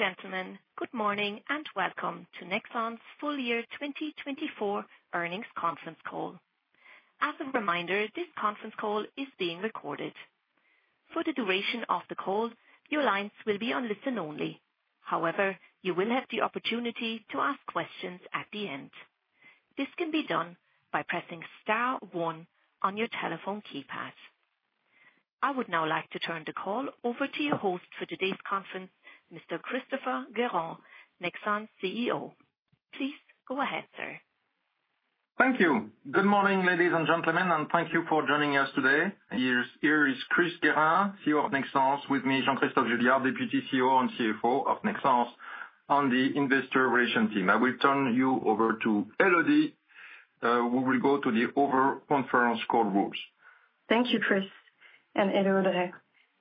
Ladies and gentlemen, good morning and welcome to Nexans' Full Year 2024 Earnings Conference Call. As a reminder, this conference call is being recorded. For the duration of the call, your lines will be on listen only. However, you will have the opportunity to ask questions at the end. This can be done by pressing star one on your telephone keypad. I would now like to turn the call over to your host for today's conference, Mr. Christopher Guérin, Nexans CEO. Please go ahead, sir. Thank you. Good morning, ladies and gentlemen, and thank you for joining us today. Here is Chris Guérin, CEO of Nexans, with me, Jean-Christophe Juillard, Deputy CEO and CFO of Nexans, on the investor relations team. I will turn you over to Elodie, who will go over the overall conference call rules. Thank you, Chris. I'm Elodie.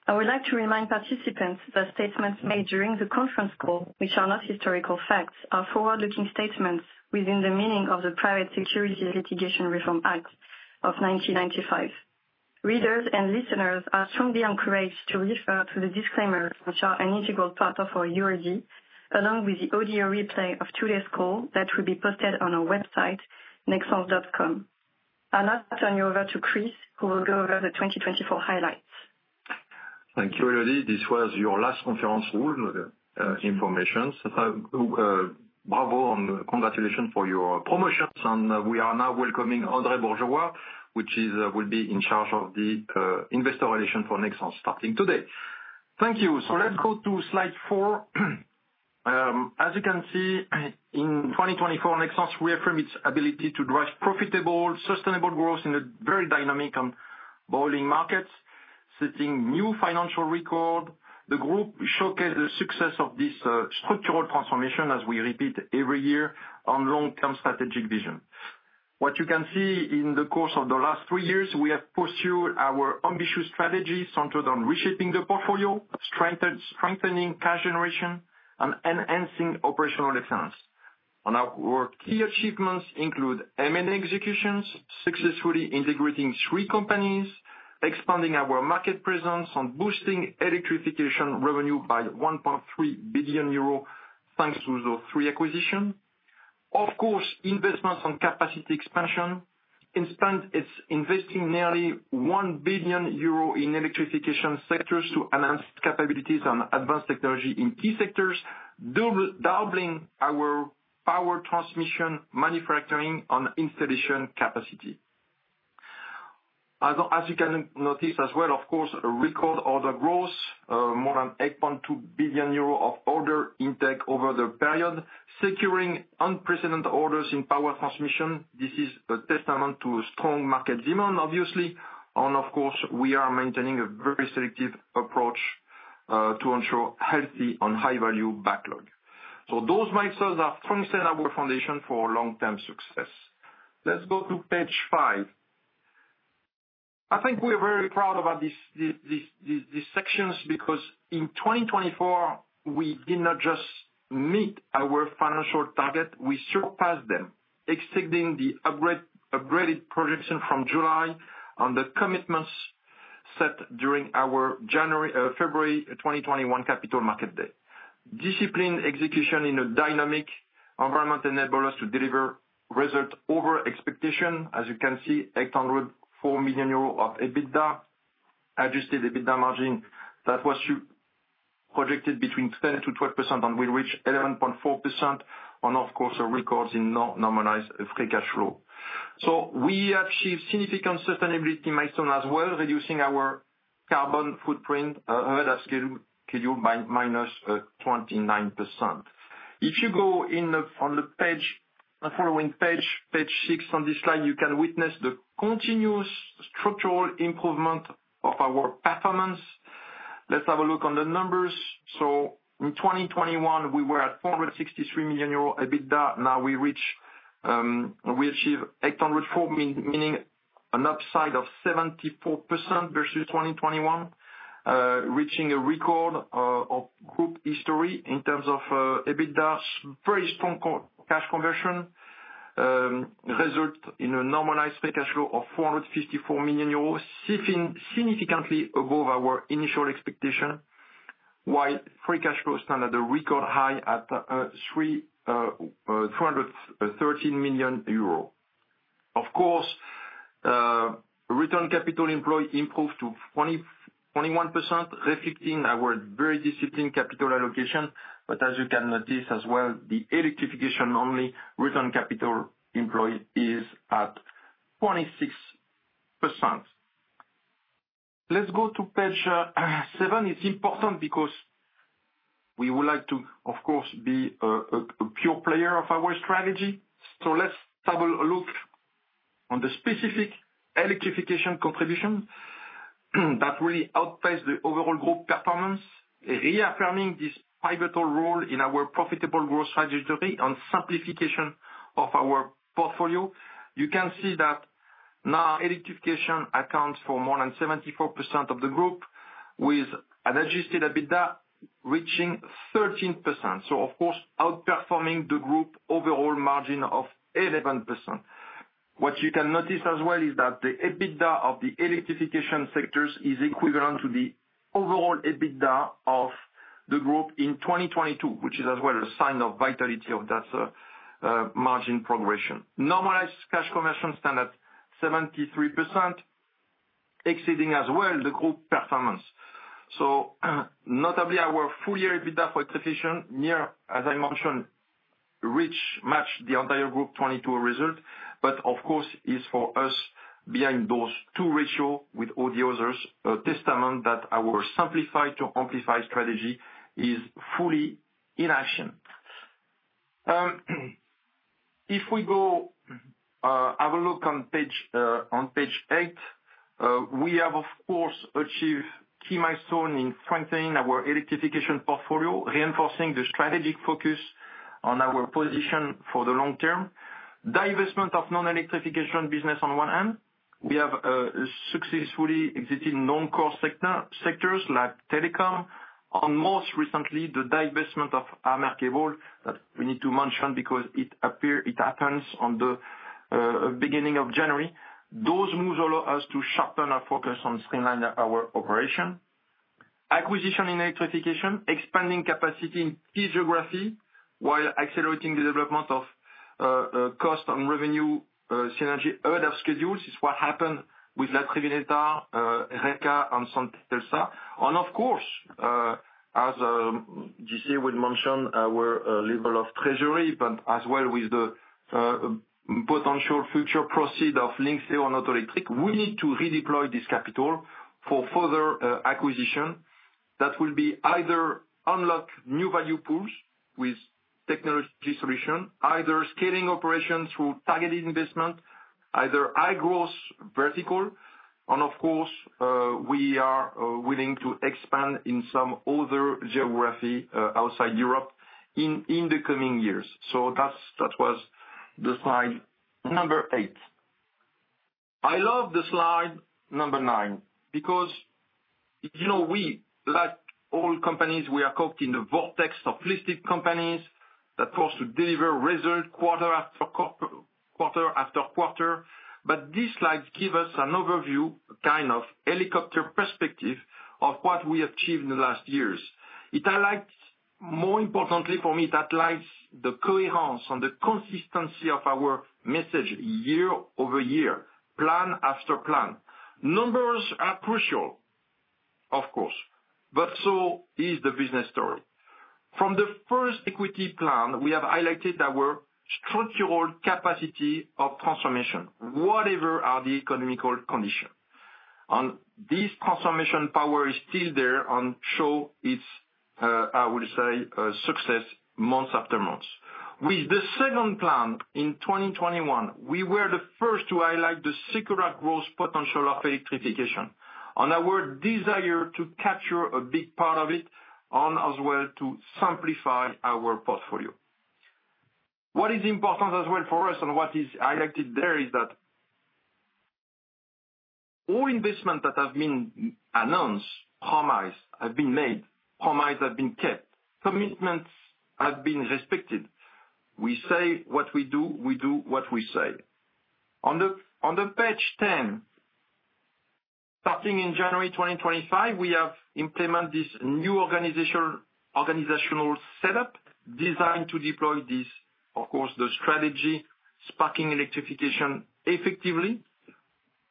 I would like to remind participants that statements made during the conference call, which are not historical facts, are forward-looking statements within the meaning of the Private Securities Litigation Reform Act of 1995. Readers and listeners are strongly encouraged to refer to the disclaimers, which are an integral part of our, [inaudible] along with the audio replay of today's call that will be posted on our website, nexans.com. I'll now turn you over to Chris, who will go over the 2024 highlights. Thank you, Elodie. This was your last conference rule information. Bravo and congratulations for your promotions. We are now welcoming Audrey Bourgeois, which will be in charge of the investor relations for Nexans starting today. Thank you. Let's go to slide four. As you can see, in 2024, Nexans reaffirmed its ability to drive profitable, sustainable growth in a very dynamic and boiling market, setting new financial records. The group showcased the success of this structural transformation, as we repeat every year, on long-term strategic vision. What you can see in the course of the last three years, we have pursued our ambitious strategy centered on reshaping the portfolio, strengthening cash generation, and enhancing operational excellence. Our key achievements include M&A executions, successfully integrating three companies, expanding our market presence, and boosting electrification revenue by 1.3 billion euros thanks to those three acquisitions. Of course, investments on capacity expansion spent investing nearly 1 billion euro in electrification sectors to enhance capabilities and advanced technology in key sectors, doubling our Power Transmission manufacturing and installation capacity. As you can notice as well, of course, record order growth, more than 8.2 billion euro of order intake over the period, securing unprecedented orders in Power Transmission. This is a testament to strong market demand, obviously, and of course, we are maintaining a very selective approach to ensure healthy and high-value backlog, so those milestones have strengthened our foundation for long-term success. Let's go to page five. I think we are very proud about these sections because in 2024, we did not just meet our financial target. We surpassed them, exceeding the upgraded projection from July on the commitments set during our February 2021 Capital Markets Day. Discipline execution in a dynamic environment enabled us to deliver results over expectation. As you can see, 804 million euros of EBITDA, adjusted EBITDA margin that was projected between 10%-12% and will reach 11.4%, and of course, records in non-normalized free cash flow. So we achieved significant sustainability milestones as well, reducing our carbon footprint ahead of schedule by -29%. If you go on the following page, page six on this slide, you can witness the continuous structural improvement of our performance. Let's have a look on the numbers. So in 2021, we were at 463 million euro EBITDA. Now we achieve 804 million, an upside of 74% versus 2021, reaching a record of group history in terms of EBITDA, very strong cash conversion, resulting in a normalized free cash flow of 454 million euros, significantly above our initial expectation, while free cash flow stands at a record high at 213 million euro. Of course, return capital employed improved to 21%, reflecting our very disciplined capital allocation, but as you can notice as well, the electrification-only return capital employed is at 26%. Let's go to page seven. It's important because we would like to, of course, be a pure player of our strategy, so let's have a look on the specific electrification contribution that really outpaced the overall group performance, reaffirming this pivotal role in our profitable growth strategy and simplification of our portfolio. You can see that now electrification accounts for more than 74% of the group, with an adjusted EBITDA reaching 13%. So, of course, outperforming the group overall margin of 11%. What you can notice as well is that the EBITDA of the electrification sectors is equivalent to the overall EBITDA of the group in 2022, which is as well a sign of vitality of that margin progression. Normalized cash conversion stood at 73%, exceeding as well the group performance. So notably, our full year EBITDA for electrification, as I mentioned, reached, matching the entire group 2022 result. But of course, it is for us behind those two ratios with all the others, a testament that our simplified to amplified strategy is fully in action. If we go have a look on page eight, we have, of course, achieved key milestones in strengthening our electrification portfolio, reinforcing the strategic focus on our position for the long term. Divestment of non-electrification business on one hand. We have successfully exited non-core sectors like telecom, and most recently, the divestment of the AmerCable that we need to mention because it happens on the beginning of January. Those moves allow us to sharpen our focus on streamlining our operation. Acquisition in electrification, expanding capacity in key geographies while accelerating the development of cost and revenue synergy ahead of schedule. This is what happened with La Triveneta Cavi, Reka, and Centelsa. And of course, as Jean would mention, our level of treasury, but as well with the potential future proceeds of Lynxeo and Autoelectric, we need to redeploy this capital for further acquisition. That will either unlock new value pools with technology solutions, either scaling operations through targeted investment, either high growth vertical. And of course, we are willing to expand in some other geography outside the Europe in the coming years. So that was the slide number eight. I love the slide number nine because we like all companies, we are caught in the vortex of listed companies that force to deliver results quarter after quarter. But these slides give us an overview, kind of helicopter perspective of what we achieved in the last years. It highlights, more importantly for me, that highlights the coherence and the consistency of our message year over year, plan after plan. Numbers are crucial, of course, but so is the business story. From the first equity plan, we have highlighted our structural capacity of transformation, whatever are the economic conditions. This Transformation Power is still there and shows its, I would say, success month after month. With the second plan in 2021, we were the first to highlight the secular growth potential of electrification and our desire to capture a big part of it and as well to simplify our portfolio. What is important as well for us and what is highlighted there is that all investments that have been announced, promised have been made, promises have been kept, commitments have been respected. We say what we do. We do what we say. On page 10, starting in January 2025, we have implemented this new organizational setup designed to deploy this, of course, the strategy sparking electrification effectively.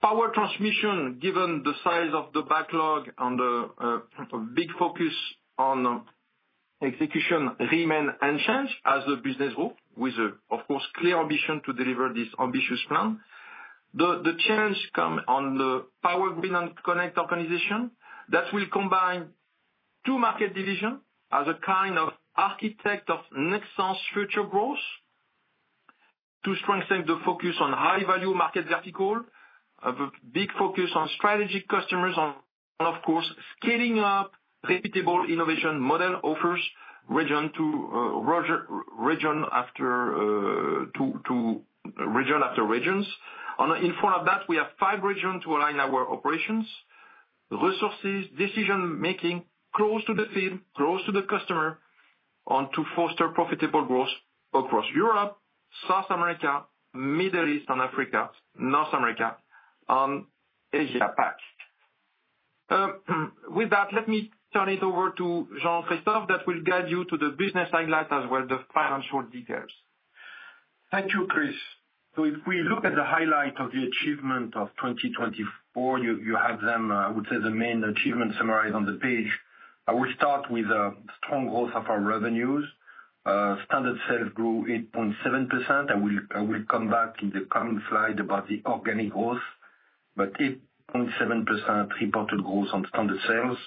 Power Transmission, given the size of the backlog and the big focus on execution, remains unchanged as a business group with, of course, clear ambition to deliver this ambitious plan. The change comes on the Power Grid & Connect organization that will combine two market divisions as a kind of architect of Nexans' future growth to strengthen the focus on high-value market vertical, a big focus on strategic customers, and of course, scaling up reputable innovation model offers region after region. In front of that, we have five regions to align our operations, resources, decision-making close to the field, close to the customer, and to foster profitable growth across Europe, South America, Middle East, and Africa, North America, and Asia-Pac. With that, let me turn it over to Jean-Christophe that will guide you to the business highlights as well as the financial details. Thank you, Chris. So if we look at the highlight of the achievement of 2024, you have then, I would say, the main achievement summarized on the page. I will start with the strong growth of our revenues. Standard sales grew 8.7%. I will come back in the coming slide about the organic growth, but 8.7% reported growth on standard sales.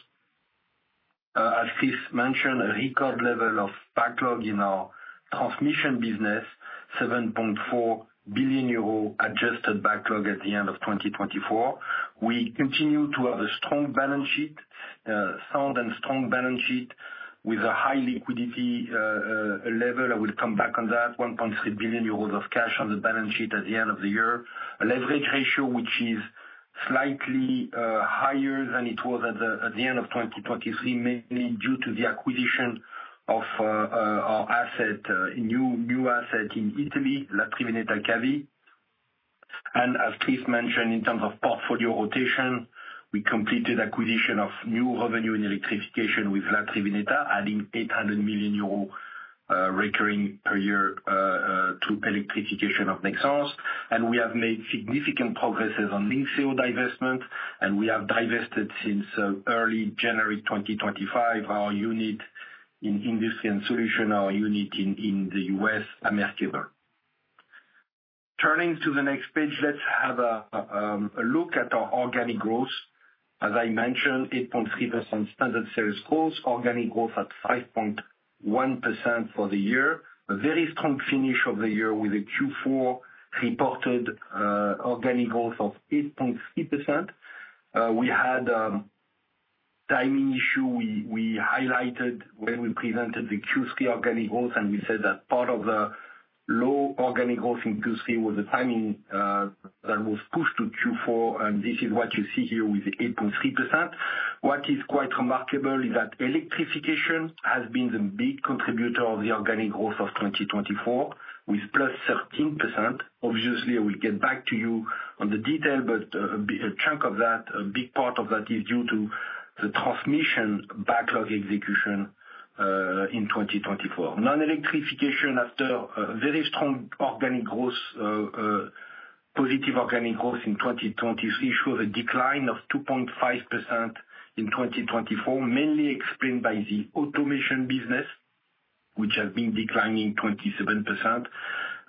As Chris mentioned, a record level of backlog in our transmission business, 7.4 billion euro adjusted backlog at the end of 2024. We continue to have a strong balance sheet, sound and strong balance sheet with a high liquidity level. I will come back on that, 1.3 billion euros of cash on the balance sheet at the end of the year. A leverage ratio, which is slightly higher than it was at the end of 2023, mainly due to the acquisition of our new asset in Italy, La Triveneta Cavi. As Chris mentioned, in terms of portfolio rotation, we completed acquisition of new revenue in electrification with La Triveneta Cavi, adding 800 million euros recurring per year to electrification of Nexans. We have made significant progresses on Lynxeo divestment, and we have divested since early January 2025 our unit in industry and solution, our unit in the US, AmerCable. Turning to the next page, let's have a look at our organic growth. As I mentioned, 8.3% standard sales growth, organic growth at 5.1% for the year, a very strong finish of the year with a Q4 reported organic growth of 8.3%. We had a timing issue we highlighted when we presented the Q3 organic growth, and we said that part of the low organic growth in Q3 was the timing that was pushed to Q4. This is what you see here with the 8.3%. What is quite remarkable is that electrification has been the big contributor of the organic growth of 2024, with plus 13%. Obviously, I will get back to you on the detail, but a chunk of that, a big part of that, is due to the transmission backlog execution in 2024. Non-electrification after very strong organic growth, positive organic growth in 2023 showed a decline of 2.5% in 2024, mainly explained by the Automation business, which has been declining 27%,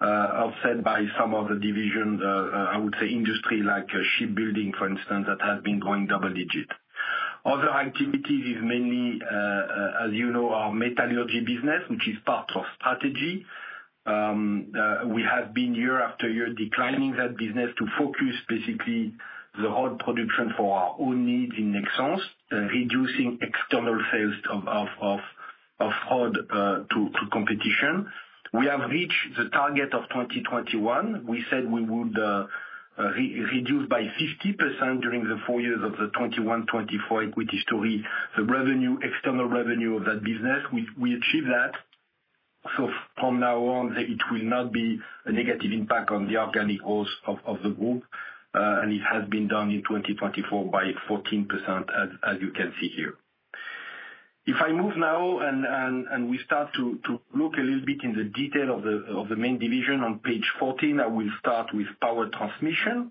offset by some of the divisions, I would say, industry like shipbuilding, for instance, that has been going double digit. Other activities is mainly, as you know, our metallurgy business, which is part of strategy. We have been year after year declining that business to focus basically the rod production for our own needs in Nexans, reducing external sales of rod to competition. We have reached the target of 2021. We said we would reduce by 50% during the four years of the 2021-2024 equity story, the revenue, external revenue of that business. We achieved that. So from now on, it will not be a negative impact on the organic growth of the group. It has been done in 2024 by 14%, as you can see here. If I move now and we start to look a little bit in the detail of the main division on page 14, I will start with Power Transmission.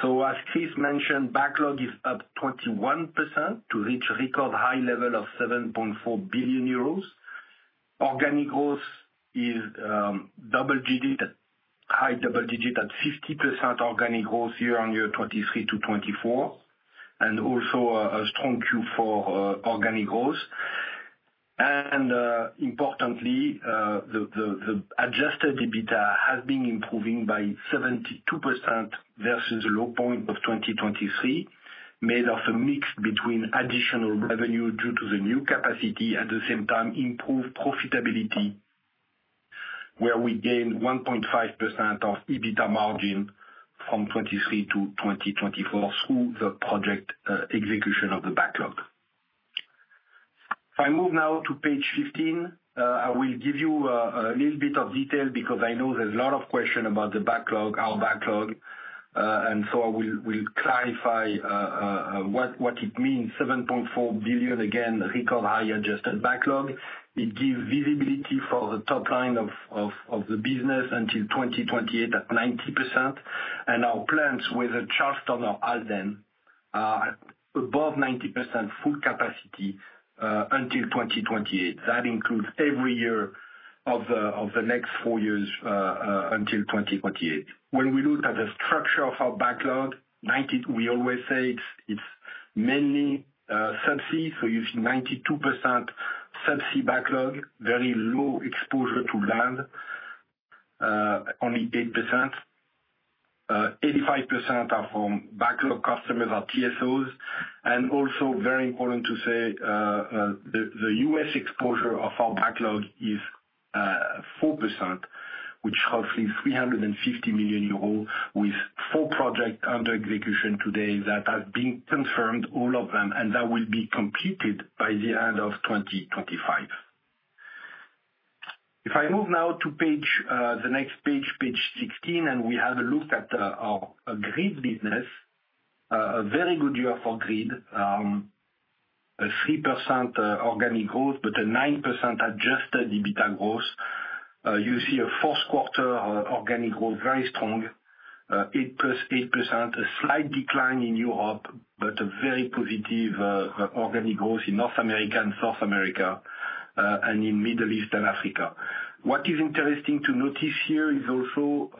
So as Chris mentioned, backlog is up 21% to reach record high level of 7.4 billion euros. Organic growth is double digit, high double digit at 50% organic growth year on year 2023 to 2024, and also a strong Q4 organic growth. Importantly, the adjusted EBITDA has been improving by 72% versus the low point of 2023, made of a mix between additional revenue due to the new capacity and at the same time improved profitability, where we gained 1.5% of EBITDA margin from 2023-2024 through the project execution of the backlog. If I move now to page 15, I will give you a little bit of detail because I know there's a lot of questions about the backlog, our backlog. So I will clarify what it means. 7.4 billion, again, record high adjusted backlog. It gives visibility for the top line of the business until 2028 at 90%. And our plans with Charleston or Halden are above 90% full capacity until 2028. That includes every year of the next four years until 2028. When we look at the structure of our backlog, we always say it's mainly subsea, so you see 92% subsea backlog, very low exposure to land, only 8%. 85% are from backlog customers or TSOs. And also very important to say, the U.S. exposure of our backlog is 4%, which costs 350 million euro with four projects under execution today that have been confirmed, all of them, and that will be completed by the end of 2025. If I move now to the next page, page 16, and we have a look at our Grid business, a very good year for Grid, 3% organic growth, but a 9% Adjusted EBITDA growth. You see a fourth quarter organic growth, very strong, 8%+8%, a slight decline in Europe, but a very positive organic growth in North America and South America and in Middle East and Africa. What is interesting to notice here is also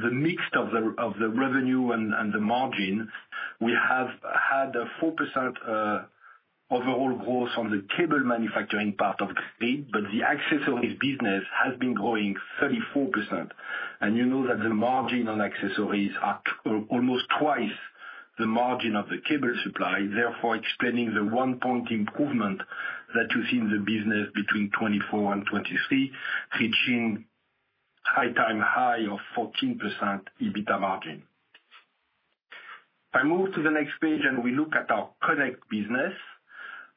the mix of the revenue and the margin. We have had a 4% overall growth on the cable manufacturing part of Grid, but the accessories business has been growing 34%. And you know that the margin on accessories is almost twice the margin of the cable supply, therefore explaining the one-point improvement that you see in the business between 2024 and 2023, reaching all-time high of 14% EBITDA margin. If I move to the next page and we look at our Connect business,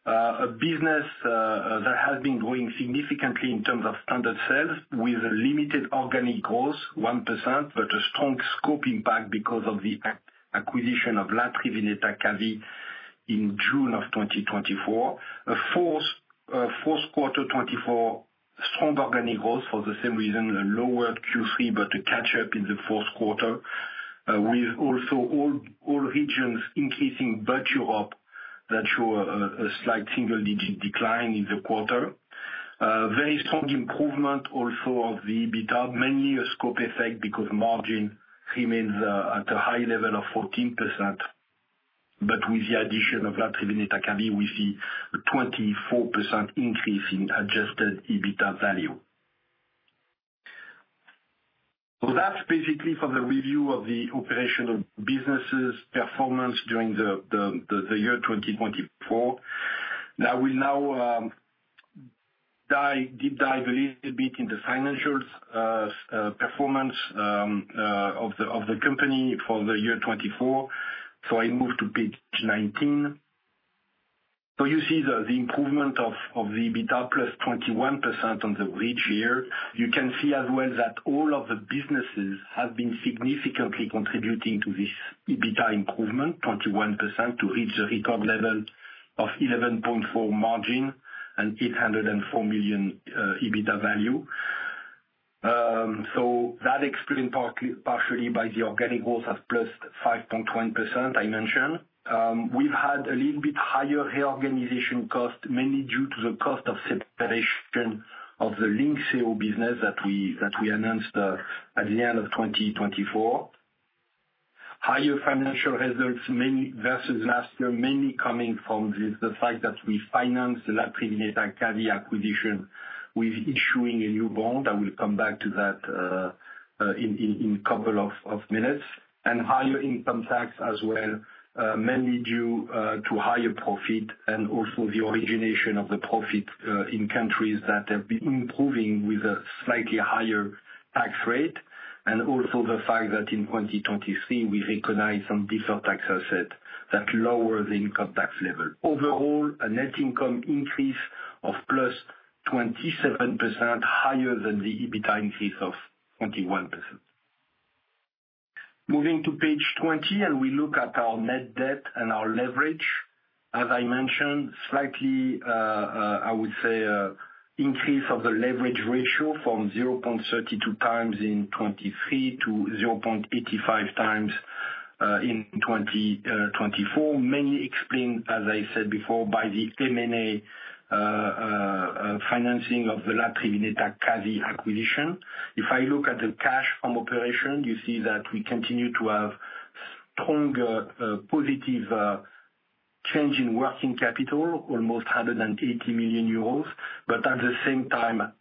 a business that has been growing significantly in terms of standard sales with limited organic growth, 1%, but a strong scope impact because of the acquisition of La Triveneta Cavi in June of 2024. Fourth quarter, 2024, strong organic growth for the same reason, lowered Q3, but a catch-up in the fourth quarter with also all regions increasing, but Europe that show a slight single-digit decline in the quarter. Very strong improvement also of the EBITDA, mainly a scope effect because margin remains at a high level of 14%. But with the addition of La Triveneta Cavi, we see a 24% increase in adjusted EBITDA value. That's basically for the review of the operational businesses' performance during the year 2024. I will now deep dive a little bit in the financial performance of the company for the year 2024. I move to page 19. You see the improvement of the EBITDA plus 21% on the right here. You can see as well that all of the businesses have been significantly contributing to this EBITDA improvement of 21% to reach the record level of 11.4% margin and 804 million EBITDA value. That is explained partially by the organic growth of +5.1% I mentioned. We have had a little bit higher reorganization costs, mainly due to the cost of separation of the Lynxeo business that we announced at the end of 2024. Higher financial results versus last year, mainly coming from the fact that we financed the La Triveneta Cavi acquisition with issuing a new bond. I will come back to that in a couple of minutes. Higher income tax as well, mainly due to higher profit and also the generation of the profit in countries that have been improving with a slightly higher tax rate. And also the fact that in 2023, we recognize some different tax assets that lower the income tax level. Overall, a net income increase of plus 27%, higher than the EBITDA increase of 21%. Moving to page 20, and we look at our net debt and our leverage. As I mentioned, slightly, I would say, increase of the leverage ratio from 0.32x in 2023 to 0.85x in 2024, mainly explained, as I said before, by the M&A financing of the La Triveneta Cavi acquisition. If I look at the cash from operation, you see that we continue to have stronger positive change in working capital, almost 180 million euros, but at the same time,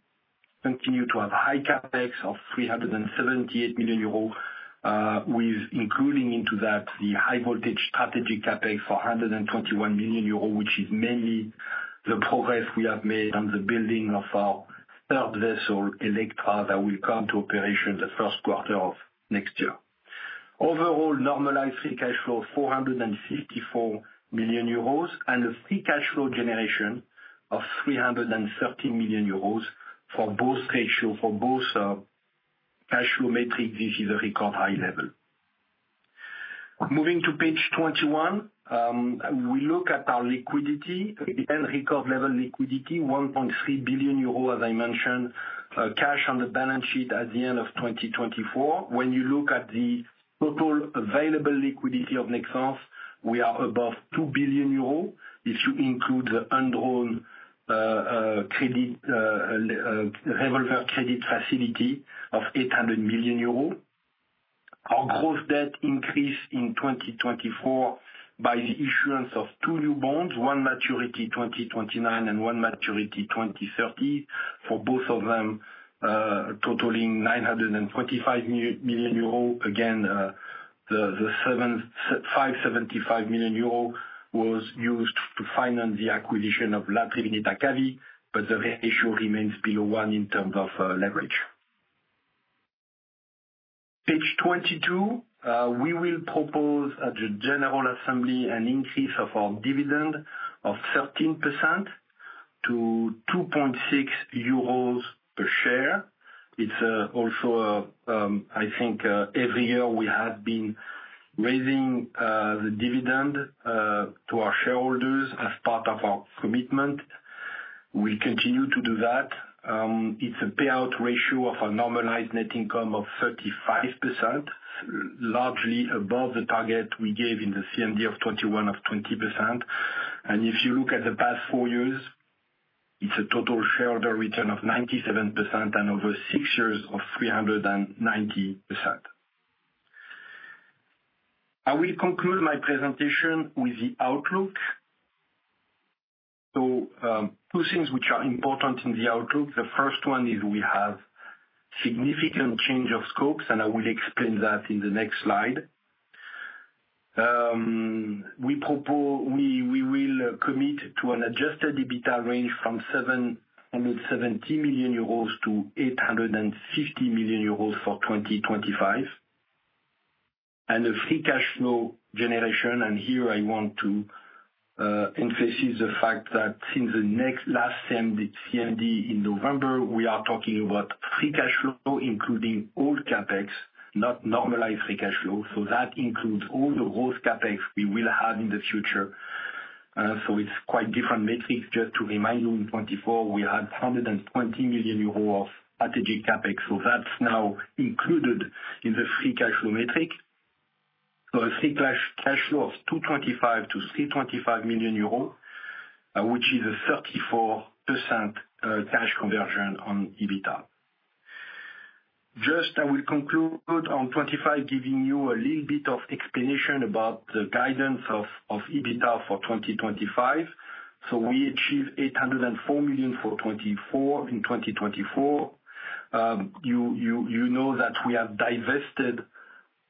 continue to have high CapEx of 378 million euros, with including into that the high-voltage strategic CapEx for 121 million euros, which is mainly the progress we have made on the building of our third vessel, Electra, that will come to operation the first quarter of next year. Overall, normalized free cash flow of 454 million euros and a free cash flow generation of 330 million euros for both ratio, for both cash flow metrics, this is a record high level. Moving to page 21, we look at our liquidity, again, record level liquidity, 1.3 billion euro, as I mentioned, cash on the balance sheet at the end of 2024. When you look at the total available liquidity of Nexans, we are above 2 billion euros if you include the undrawn revolver credit facility of 800 million euros. Our gross debt increased in 2024 by the issuance of two new bonds, one maturity 2029 and one maturity 2030, for both of them totaling 925 million euro. Again, the 575 million euro was used to finance the acquisition of La Triveneta Cavi, but the ratio remains below one in terms of leverage. Page 22, we will propose at the General Assembly an increase of our dividend of 13% to 2.6 euros per share. It's also, I think, every year we have been raising the dividend to our shareholders as part of our commitment. We continue to do that. It's a payout ratio of a normalized net income of 35%, largely above the target we gave in the CMD of 2021 of 20%. If you look at the past four years, it's a total shareholder return of 97% and over six years of 390%. I will conclude my presentation with the outlook. Two things which are important in the outlook. The first one is we have significant change of scopes, and I will explain that in the next slide. We will commit to an adjusted EBITDA range from 770 million euros to 850 million euros for 2025. The free cash flow generation, and here I want to emphasize the fact that since the last CMD in November, we are talking about free cash flow, including all CapEx, not normalized free cash flow. That includes all the gross CapEx we will have in the future. It's quite different metrics. Just to remind you, in 2024, we had 120 million euros of strategic CapEx. So that's now included in the free cash flow metric. So a free cash flow of 225 million-325 million euros, which is a 34% cash conversion on EBITDA. Just I will conclude on 25, giving you a little bit of explanation about the guidance of EBITDA for 2025. So we achieved 804 million for 24 in 2024. You know that we have divested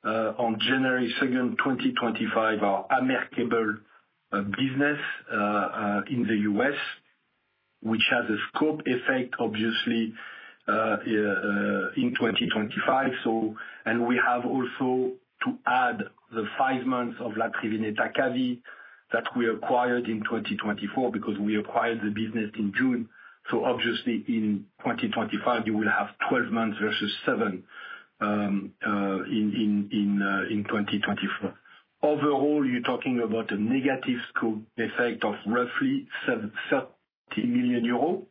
on January 2, 2025, our AmerCable business in the U.S., which has a scope effect, obviously, in 2025. And we have also to add the five months of La Triveneta Cavi that we acquired in 2024 because we acquired the business in June. So obviously, in 2025, you will have 12 months versus 7 in 2024. Overall, you're talking about a negative scope effect of roughly 30 million euros.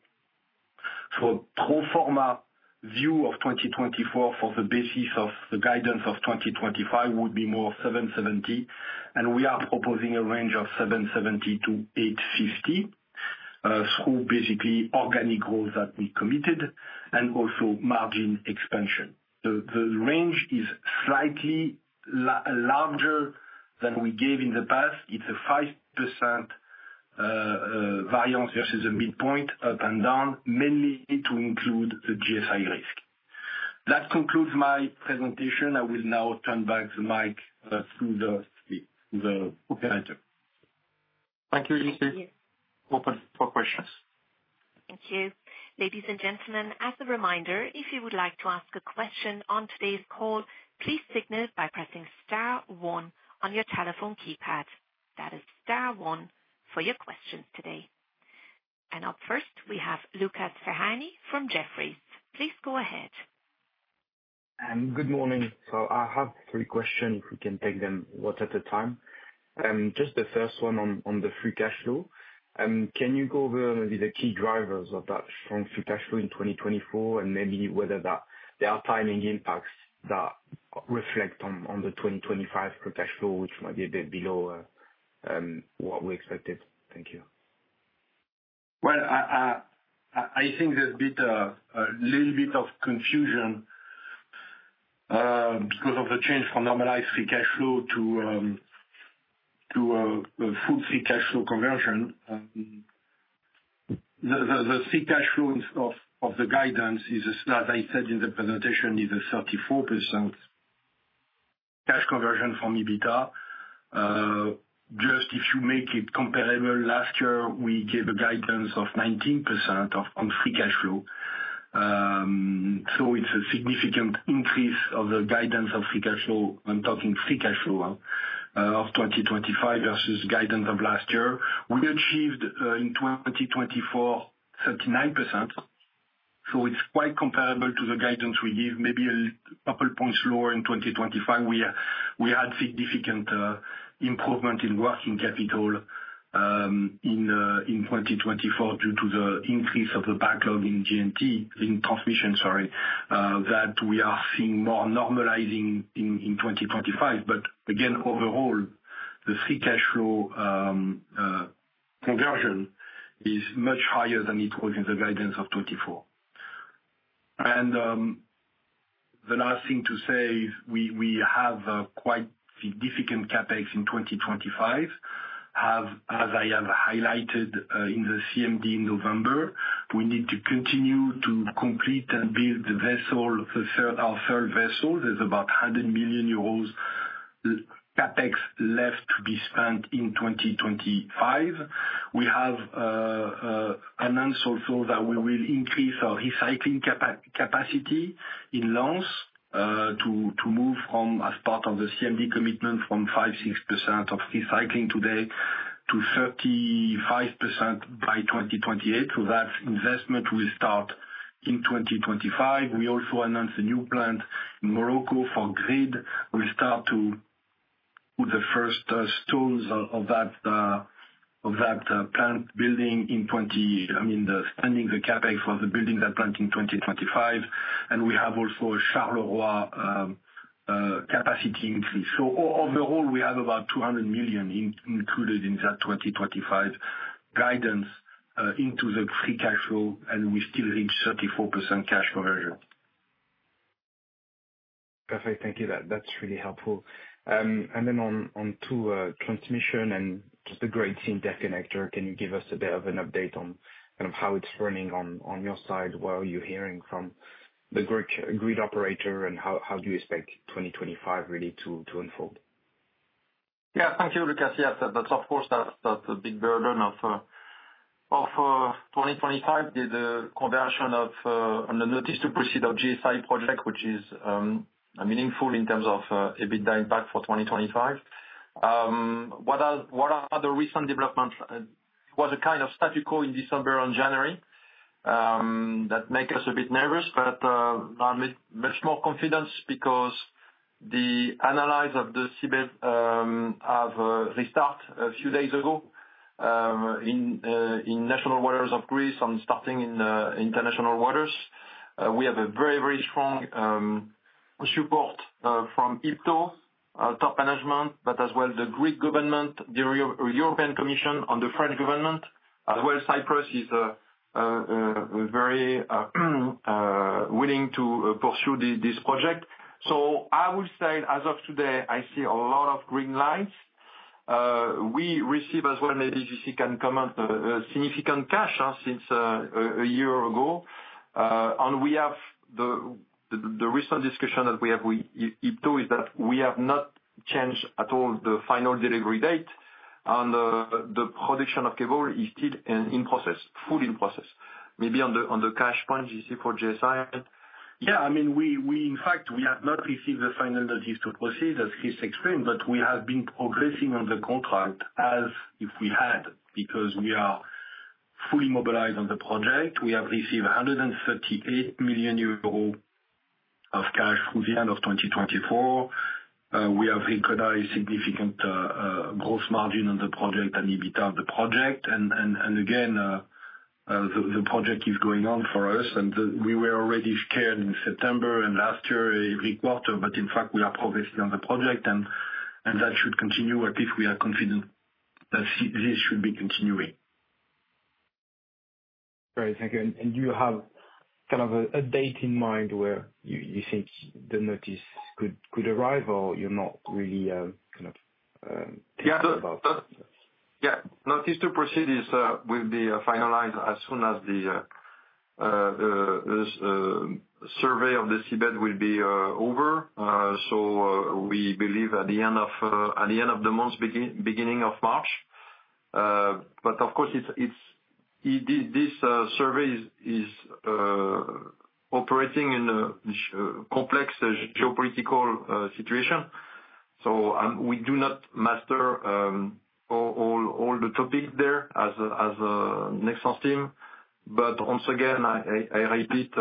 So performance view of 2024 for the basis of the guidance of 2025 would be more 770. We are proposing a range of 770-850 through basically organic growth that we committed and also margin expansion. The range is slightly larger than we gave in the past. It's a 5% variance versus a midpoint up and down, mainly to include the GSI risk. That concludes my presentation. I will now turn back the mic to the operator. Thank you, Lucy. Open for questions. Thank you. Ladies and gentlemen, as a reminder, if you would like to ask a question on today's call, please signal by pressing star one on your telephone keypad. That is star one for your questions today. Up first, we have Lucas Ferhani from Jefferies. Please go ahead. Good morning. I have three questions. We can take them one at a time. Just the first one on the free cash flow. Can you go over maybe the key drivers of that strong free cash flow in 2024 and maybe whether there are timing impacts that reflect on the 2025 free cash flow, which might be a bit below what we expected? Thank you. Well, I think there's been a little bit of confusion because of the change from normalized free cash flow to a full free cash flow conversion. The free cash flow of the guidance is, as I said in the presentation, a 34% cash conversion from EBITDA. Just if you make it comparable, last year, we gave a guidance of 19% on free cash flow. So it's a significant increase of the guidance of free cash flow. I'm talking free cash flow of 2025 versus guidance of last year. We achieved in 2024, 39%. So it's quite comparable to the guidance we gave, maybe a couple of points lower in 2025. We had significant improvement in working capital in 2024 due to the increase of the backlog in G&T, in transmission, sorry, that we are seeing more normalizing in 2025. But again, overall, the free cash flow conversion is much higher than it was in the guidance of 2024. And the last thing to say, we have quite significant CapEx in 2025. As I have highlighted in the CMD in November, we need to continue to complete and build the vessel, our third vessel. There's about 100 million euros CapEx left to be spent in 2025. We have announced also that we will increase our recycling capacity in Lens to move from, as part of the CMD commitment, from 5%, 6% of recycling today to 35% by 2028. So that investment will start in 2025. We also announced a new plant in Morocco for Grid. We'll start to put the first stones of that plant building, I mean, spending the CapEx for the building that plant in 2025. And we have also a Charleroi capacity increase. So overall, we have about 200 million included in that 2025 guidance into the free cash flow, and we still reach 34% cash conversion. Perfect. Thank you. That's really helpful. And then on to transmission and just the Great Sea Interconnector, can you give us a bit of an update on kind of how it's running on your side, what are you hearing from the Grid operator, and how do you expect 2025 really to unfold? Yeah, thank you, Lucas. Yes, of course, that's a big burden of 2025, the conversion of the notice to proceed of GSI project, which is meaningful in terms of EBITDA impact for 2025. What are the recent developments? It was a kind of status quo in December and January that made us a bit nervous, but much more confidence because the analysis of the seabed has restarted a few days ago in national waters of Greece and starting in international waters. We have a very, very strong support from IPTO, top management, but as well the Greek government, the European Commission, and the French government. As well, Cyprus is very willing to pursue this project. So I will say, as of today, I see a lot of green lights. We receive, as well, maybe if you can comment, significant cash since a year ago. We have the recent discussion that we have with IPTO is that we have not changed at all the final delivery date, and the production of cable is still in process, fully in process. Maybe on the cash point, you see for GSI? Yeah, I mean, in fact, we have not received the final notice to proceed, as Chris explained, but we have been progressing on the contract as if we had, because we are fully mobilized on the project. We have received 138 million euros of cash through the end of 2024. We have recognized significant gross margin on the project and EBITDA of the project. Again, the project is going on for us, and we were already scared in September and last year every quarter, but in fact, we are progressing on the project, and that should continue. At least we are confident that this should be continuing. Great. Thank you. And do you have kind of a date in mind where you think the notice could arrive or you're not really kind of thinking about? Yeah, notice to proceed will be finalized as soon as the survey of the seabed will be over. So we believe at the end of the month, beginning of March. But of course, this survey is operating in a complex geopolitical situation. So we do not master all the topics there as a Nexans team. But once again, I repeat,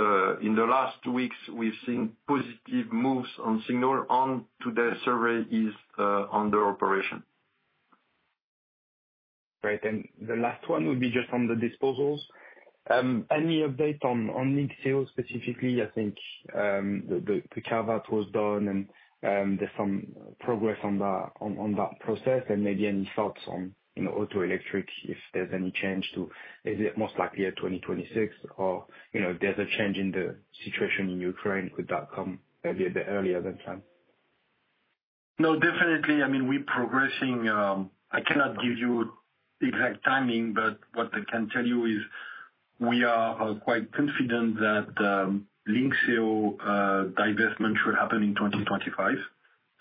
in the last two weeks, we've seen positive moves on signal, and today's survey is under operation. Great. And the last one would be just on the disposals. Any update on Lynxeo specifically? I think the carve-out was done, and there's some progress on that process. Maybe any thoughts on Autoelectric, if there's any change to, is it most likely at 2026, or if there's a change in the situation in Ukraine, could that come maybe a bit earlier than planned? No, definitely. I mean, we're progressing. I cannot give you exact timing, but what I can tell you is we are quite confident that Lynxeo divestment should happen in 2025.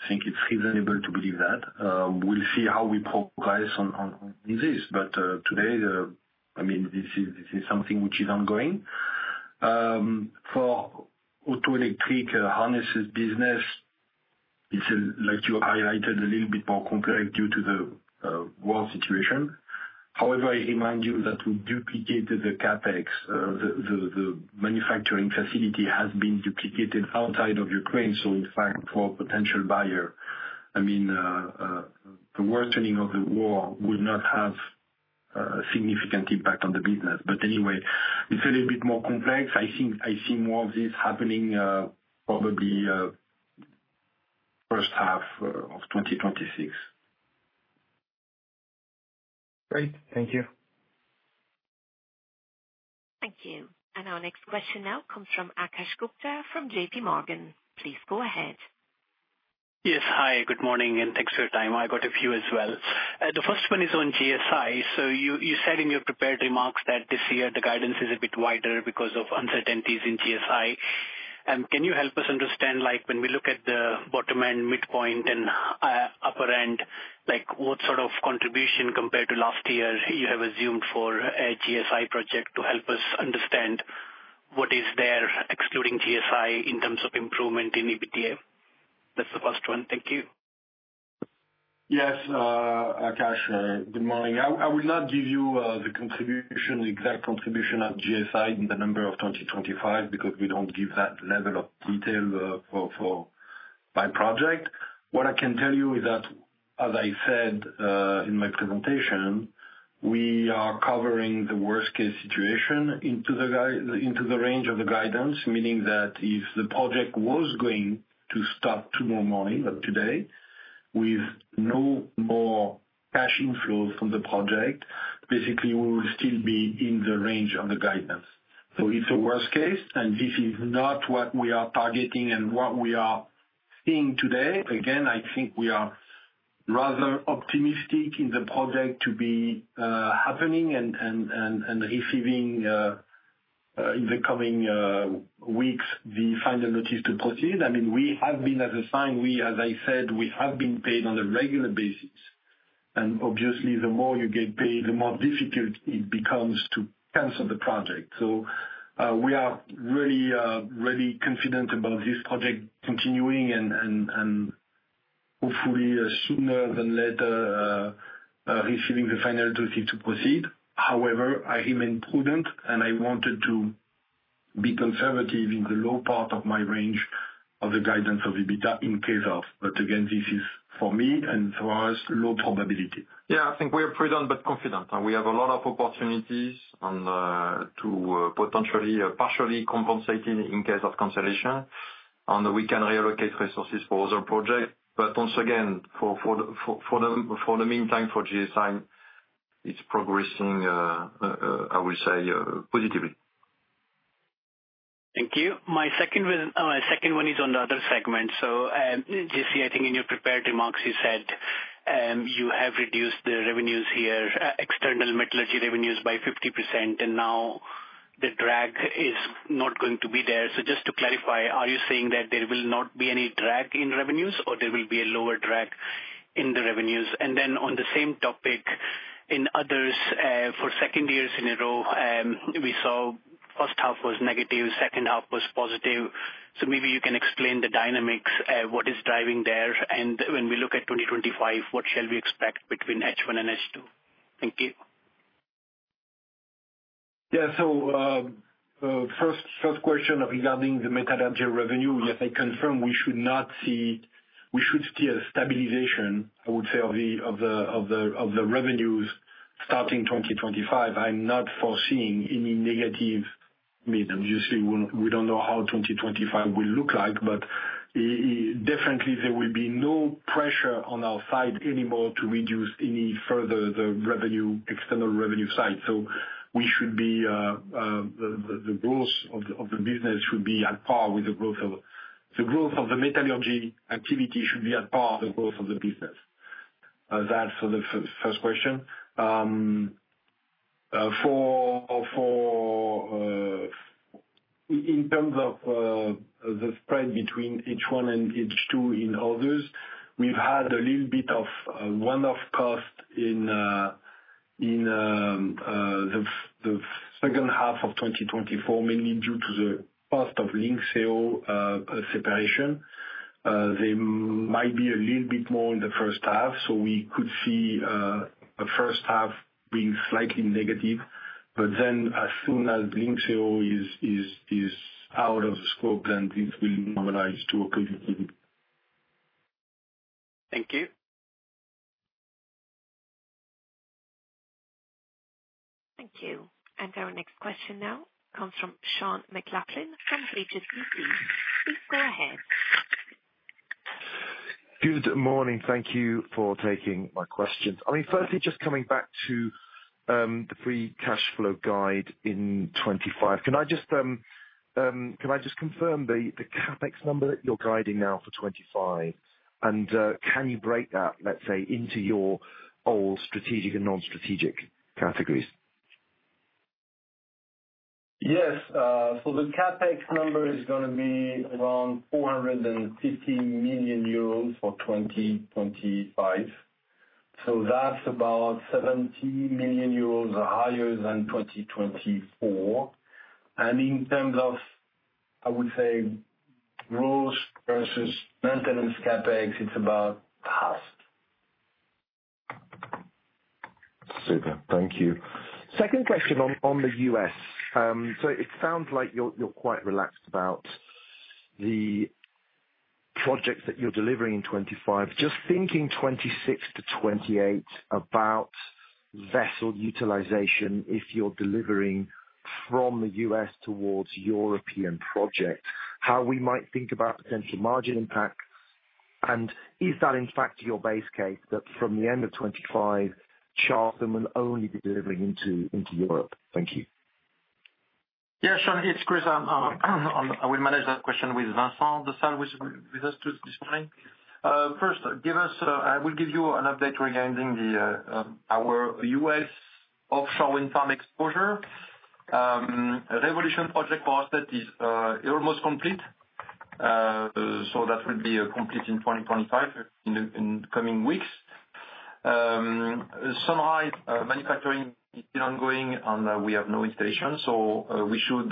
I think it's reasonable to believe that. We'll see how we progress on this. But today, I mean, this is something which is ongoing. For Autoelectric-harnesses business, it's like you highlighted, a little bit more complex due to the war situation. However, I remind you that we duplicated the capacity. The manufacturing facility has been duplicated outside of Ukraine. So in fact, for a potential buyer, I mean, the worsening of the war would not have a significant impact on the business. But anyway, it's a little bit more complex. I think I see more of this happening probably first half of 2026. Great. Thank you. Thank you. And our next question now comes from Akash Gupta from JPMorgan. Please go ahead. Yes. Hi, good morning, and thanks for your time. I got a few as well. The first one is on GSI. So you said in your prepared remarks that this year, the guidance is a bit wider because of uncertainties in GSI. Can you help us understand when we look at the bottom end, midpoint, and upper end, what sort of contribution compared to last year you have assumed for a GSI project to help us understand what is there, excluding GSI, in terms of improvement in EBITDA? That's the first one. Thank you. Yes, Akash, good morning. I will not give you the exact contribution of GSI in the numbers for 2025 because we don't give that level of detail by project. What I can tell you is that, as I said in my presentation, we are covering the worst-case situation in the range of the guidance, meaning that if the project was going to start tomorrow morning, like today, with no more cash inflows from the project, basically, we will still be in the range of the guidance. So it's a worst case, and this is not what we are targeting and what we are seeing today. Again, I think we are rather optimistic in the project to be happening and receiving in the coming weeks the final notice to proceed. I mean, we have been, as I said, we have been paid on a regular basis. And obviously, the more you get paid, the more difficult it becomes to cancel the project. So we are really confident about this project continuing and hopefully sooner than later receiving the final notice to proceed. However, I remain prudent, and I wanted to be conservative in the low part of my range of the guidance of EBITDA in case of. But again, this is for me and for us, low probability. Yeah, I think we are prudent but confident. We have a lot of opportunities to potentially partially compensate in case of cancellation, and we can reallocate resources for other projects. But once again, for the meantime, for GSI, it's progressing, I will say, positively. Thank you. My second one is on the other segment. So Jean, I think in your prepared remarks, you said you have reduced the revenues here, external metallurgy revenues by 50%, and now the drag is not going to be there. So just to clarify, are you saying that there will not be any drag in revenues, or there will be a lower drag in the revenues? And then on the same topic, in others, for second years in a row, we saw first half was negative, second half was positive. So maybe you can explain the dynamics, what is driving there, and when we look at 2025, what shall we expect between H1 and H2? Thank you. Yeah. So first question regarding the metallurgy revenue, yes, I confirm we should see a stabilization, I would say, of the revenues starting 2025. I'm not foreseeing any negative. I mean, obviously, we don't know how 2025 will look like, but definitely, there will be no pressure on our side anymore to reduce any further the external revenue side. So the growth of the business should be at par with the growth of the metallurgy activity. That's for the first question. In terms of the spread between H1 and H2 in others, we've had a little bit of one-off cost in the second half of 2024, mainly due to the cost of Lynxeo separation. There might be a little bit more in the first half, so we could see the first half being slightly negative. But then as soon as Lynxeo is out of the scope, then this will normalize to a positive. Thank you. Thank you. And our next question now comes from Sean McLoughlin from HSBC. Please go ahead. Good morning. Thank you for taking my questions. I mean, firstly, just coming back to the free cash flow guide in 2025, can I just confirm the CapEx number that you're guiding now for 2025? And can you break that, let's say, into your old strategic and non-strategic categories? Yes. So the CapEx number is going to be around 450 million euros for 2025. So that's about 70 million euros higher than 2024. And in terms of, I would say, gross versus maintenance CapEx, it's about half. Super. Thank you. Second question on the U.S. So it sounds like you're quite relaxed about the projects that you're delivering in 2025. Just thinking 2026-2028 about vessel utilization, if you're delivering from the U.S. towards European projects, how we might think about potential margin impact, and is that in fact your base case that from the end of 2025, Charleston will only be delivering into Europe? Thank you. Yeah, Sean, it's Chris. I will manage that question with Vincent Dessale with us this morning. First, I will give you an update regarding our U.S. offshore wind farm exposure. Revolution project for us that is almost complete. So that will be complete in 2025 in coming weeks. Sunrise Wind manufacturing is still ongoing, and we have no installation, so we should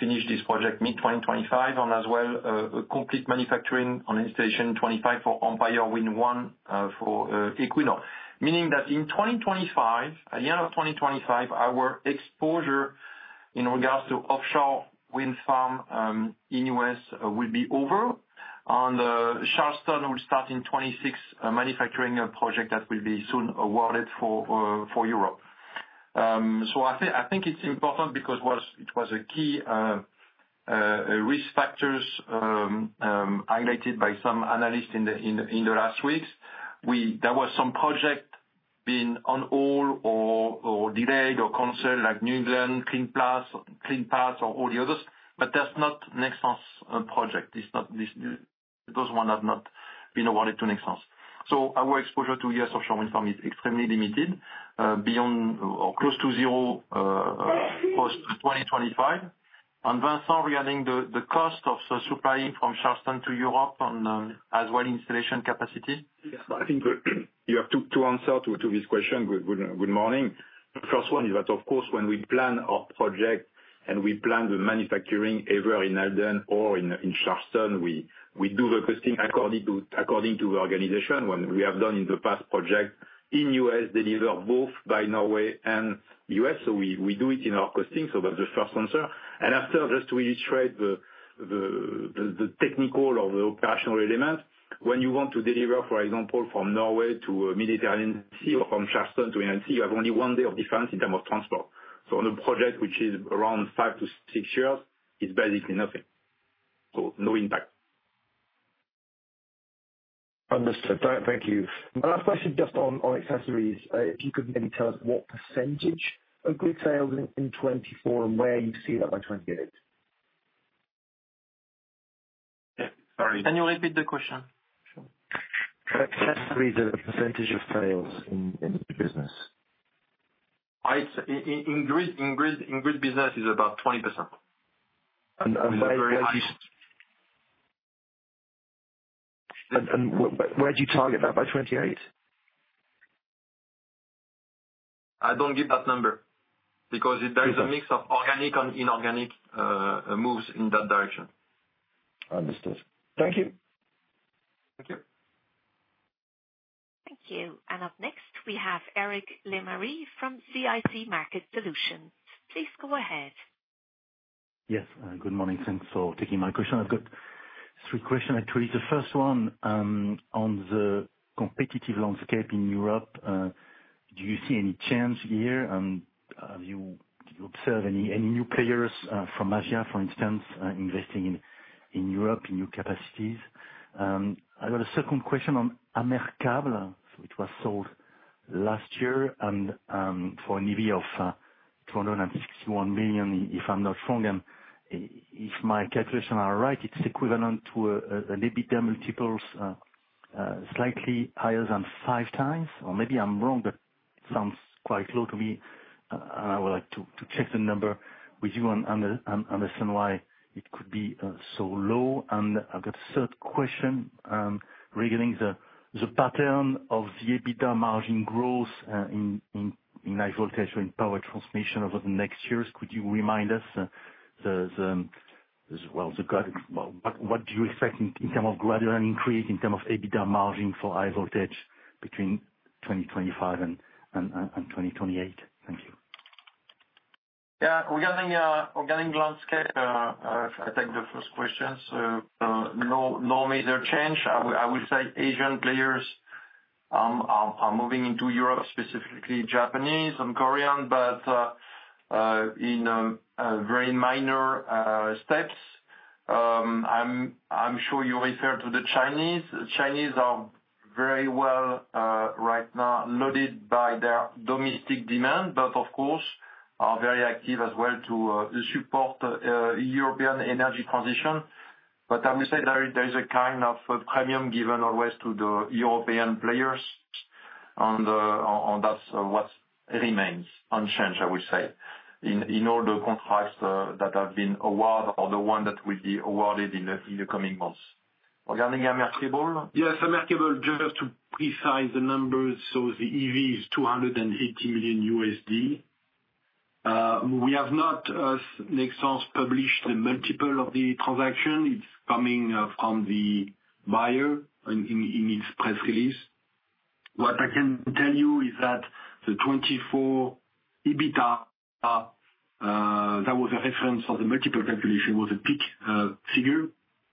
finish this project mid-2025 and as well complete manufacturing and installation in 2025 for Empire Wind 1 for Equinor. Meaning that in 2025, at the end of 2025, our exposure in regards to offshore wind farm in the U.S. will be over, and Charleston will start in 2026 a manufacturing project that will be soon awarded for Europe, so I think it's important because it was a key risk factor highlighted by some analysts in the last weeks. There were some projects being on hold or delayed or canceled, like New England, Clean Path, or all the others, but that's not Nexans' project. Those ones have not been awarded to Nexans, so our exposure to U.S. offshore wind farm is extremely limited, close to zero post-2025. Jean, regarding the cost of supplying from Charleston to Europe and as well installation capacity? I think you have two answers to this question. Good morning. The first one is that, of course, when we plan our project and we plan the manufacturing either in Halden or in Charleston, we do the costing according to the organization. When we have done in the past project in U.S., deliver both by Norway and U.S. So we do it in our costing. So that's the first answer. And after, just to illustrate the technical or the operational element, when you want to deliver, for example, from Norway to the Mediterranean Sea or from Charleston to the North Sea, you have only one day of difference in terms of transport. So on a project which is around five to six years, it's basically nothing. So no impact. Understood. Thank you. My last question just on accessories. If you could maybe tell us what percentage of Grid sales in 2024 and where you see that by 2028? Sorry. Can you repeat the question? Accessories are the percentage of sales in the Grid business? In Grid business, it's about 20%. And where do you target that by 2028? I don't give that number because there is a mix of organic and inorganic moves in that direction. Understood. Thank you. Thank you. Thank you. And up next, we have Eric Lemarié from CIC Market Solutions. Please go ahead. Yes. Good morning. Thanks for taking my question. I've got three questions, actually. The first one on the competitive landscape in Europe, do you see any change here? And did you observe any new players from Asia, for instance, investing in Europe in new capacities? I got a second question on AmerCable. So it was sold last year for an EV of $261 million, if I'm not wrong. And if my calculations are right, it's equivalent to an EBITDA multiple slightly higher than five times. Or maybe I'm wrong, but it sounds quite low to me. And I would like to check the number with you and understand why it could be so low. And I've got a third question regarding the pattern of the EBITDA margin growth in high voltage or in Power Transmission over the next years. Could you remind us, well, what do you expect in terms of gradual increase in terms of EBITDA margin for high voltage between 2025 and 2028? Thank you. Yeah. Regarding landscape, I take the first question. So no major change. I will say Asian players are moving into Europe, specifically Japanese and Korean, but in very minor steps. I'm sure you referred to the Chinese. The Chinese are very well right now loaded by their domestic demand, but of course, are very active as well to support European energy transition. But I will say there is a kind of premium given always to the European players, and that's what remains unchanged, I would say, in all the contracts that have been awarded or the one that will be awarded in the coming months. Regarding AmerCable? Yes. AmerCable, just to specify the numbers, so the EV is $280 million. We have not, as Nexans published, the multiple of the transaction. It's coming from the buyer in its press release. What I can tell you is that the 2024 EBITDA, that was a reference for the multiple calculation, was a peak figure.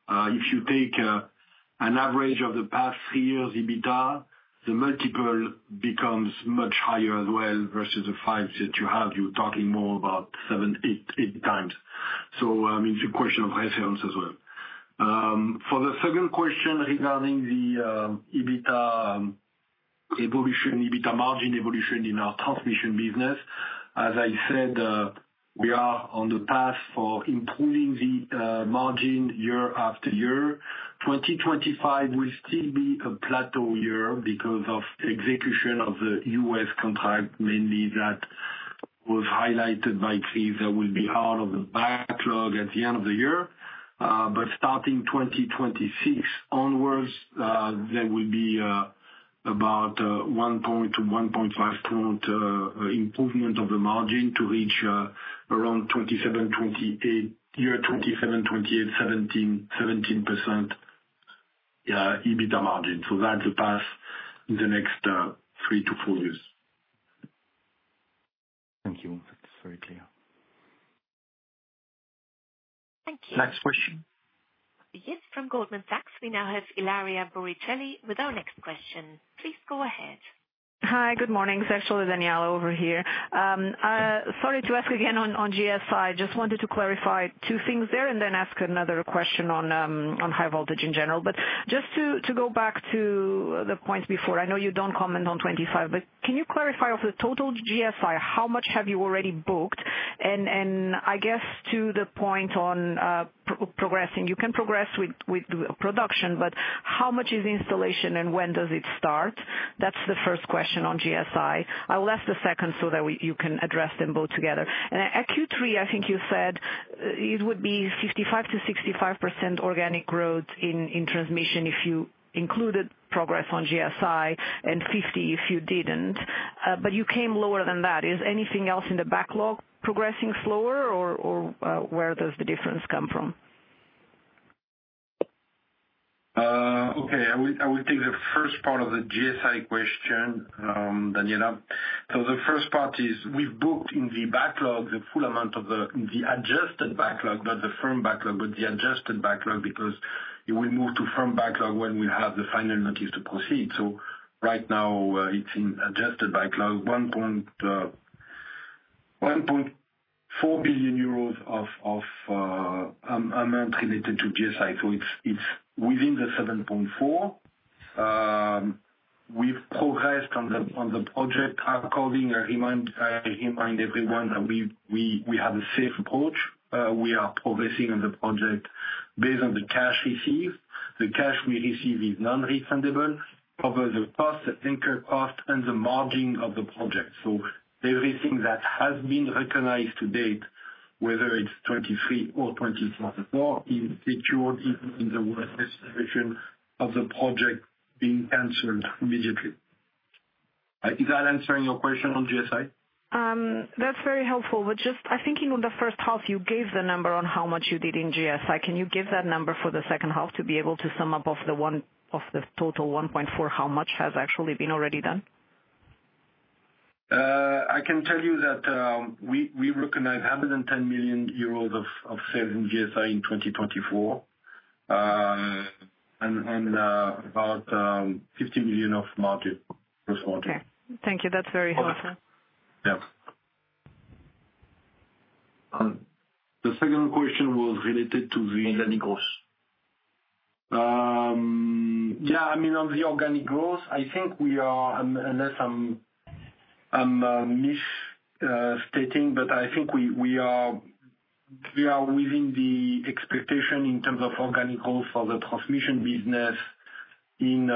If you take an average of the past three years' EBITDA, the multiple becomes much higher as well versus the five that you have. You're talking more about seven, eight times. So I mean, it's a question of reference as well. For the second question regarding the EBITDA evolution, EBITDA margin evolution in our transmission business, as I said, we are on the path for improving the margin year after year. 2025 will still be a plateau year because of execution of the U.S. contract, mainly that was highlighted by Chris. There will be out of the backlog at the end of the year, but starting 2026 onwards, there will be about 1.2-1.5 point improvement of the margin to reach around 27-28, year 2027-2028, 17% EBITDA margin, so that's the path in the next three to four years. Thank you. That's very clear. Thank you. Next question. Yes, from Goldman Sachs. We now have [Daniela Costa] with our next question. Please go ahead. Hi. Good morning. Daniela Costa over here. Sorry to ask again on GSI. Just wanted to clarify two things there and then ask another question on high voltage in general. But just to go back to the point before, I know you don't comment on 2025, but can you clarify of the total GSI, how much have you already booked? And I guess to the point on progressing, you can progress with production, but how much is installation and when does it start? That's the first question on GSI. I will ask the second so that you can address them both together. And at Q3, I think you said it would be 55%-65% organic growth in transmission if you included progress on GSI and 50% if you didn't. But you came lower than that. Is anything else in the backlog progressing slower, or where does the difference come from? Okay. I will take the first part of the GSI question, Daniela. So the first part is we've booked in the backlog the full amount of the adjusted backlog, not the firm backlog, but the adjusted backlog because it will move to firm backlog when we have the final notice to proceed. So right now, it's in adjusted backlog, 1.4 billion euros of amount related to GSI. So it's within the 7.4 billion. We've progressed on the project. Accordingly, I remind everyone that we have a safe approach. We are progressing on the project based on the cash received. The cash we receive is non-refundable, covers the cost, the anchor cost, and the margin of the project. So everything that has been recognized to date, whether it's 2023 or 2024, is secured in the worst case situation of the project being canceled immediately. Is that answering your question on GSI? That's very helpful. But just, I think in the first half, you gave the number on how much you did in GSI. Can you give that number for the second half to be able to sum up of the total 1.4, how much has actually been already done? I can tell you that we recognize 110 million euros of sales in GSI in 2024 and about 50 million of margin, gross margin. Okay. Thank you. That's very helpful. Yeah.The second question was related to the organic growth. Yeah. I mean, on the organic growth, I think we are, unless I'm misstating, but I think we are within the expectation in terms of organic growth for the transmission business in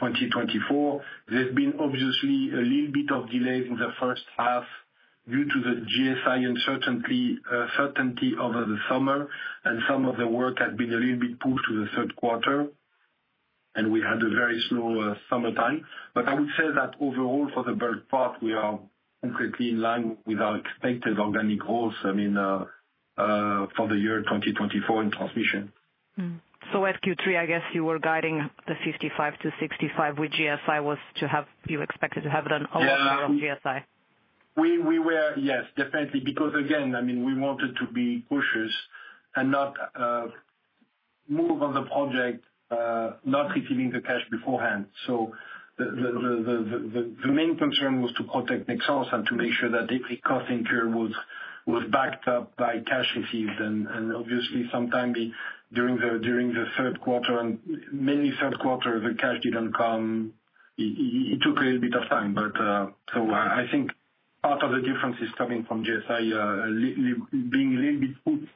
2024. There's been obviously a little bit of delay in the first half due to the GSI uncertainty over the summer, and some of the work has been a little bit pushed to the third quarter, and we had a very slow summertime. But I would say that overall, for the bulk part, we are completely in line with our expected organic growth, I mean, for the year 2024 in transmission. So at Q3, I guess you were guiding the 55-65 with GSI was to have you expected to have done a lot more on GSI? Yes. Yes, definitely. Because again, I mean, we wanted to be cautious and not move on the project not receiving the cash beforehand. So the main concern was to protect Nexans and to make sure that every cost incurred was backed up by cash received. And obviously, sometime during the third quarter, and mainly third quarter, the cash didn't come. It took a little bit of time. But so I think part of the difference is coming from GSI being a little bit pushed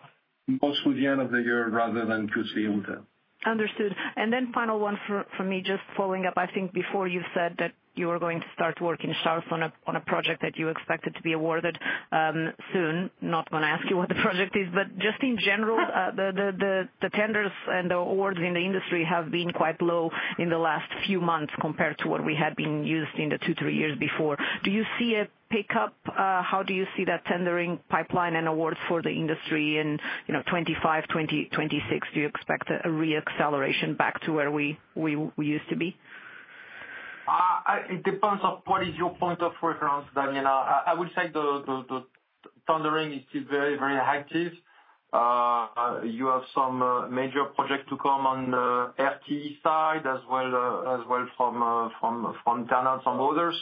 most towards the end of the year rather than Q3 all the time. Understood. And then final one for me, just following up, I think before you said that you were going to start work in Charleston on a project that you expected to be awarded soon. Not going to ask you what the project is, but just in general, the tenders and the awards in the industry have been quite low in the last few months compared to what we had been used to in the two, three years before. Do you see a pickup? How do you see that tendering pipeline and awards for the industry in 2025, 2026? Do you expect a re-acceleration back to where we used to be? It depends on what is your point of reference, Daniela. I would say the tendering is still very, very active. You have some major projects to come on the RTE side as well from TenneT and others.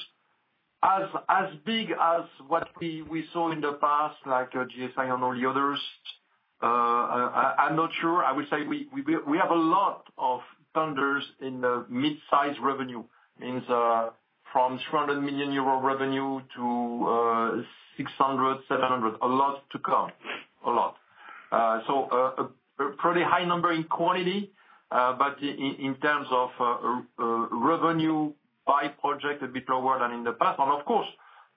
As big as what we saw in the past, like GSI and all the others, I'm not sure. I would say we have a lot of tenders in the mid-size revenue. It means from 200 million euro revenue to 600-700 million, a lot to come, a lot. So a pretty high number in quantity, but in terms of revenue by project, a bit lower than in the past. And of course,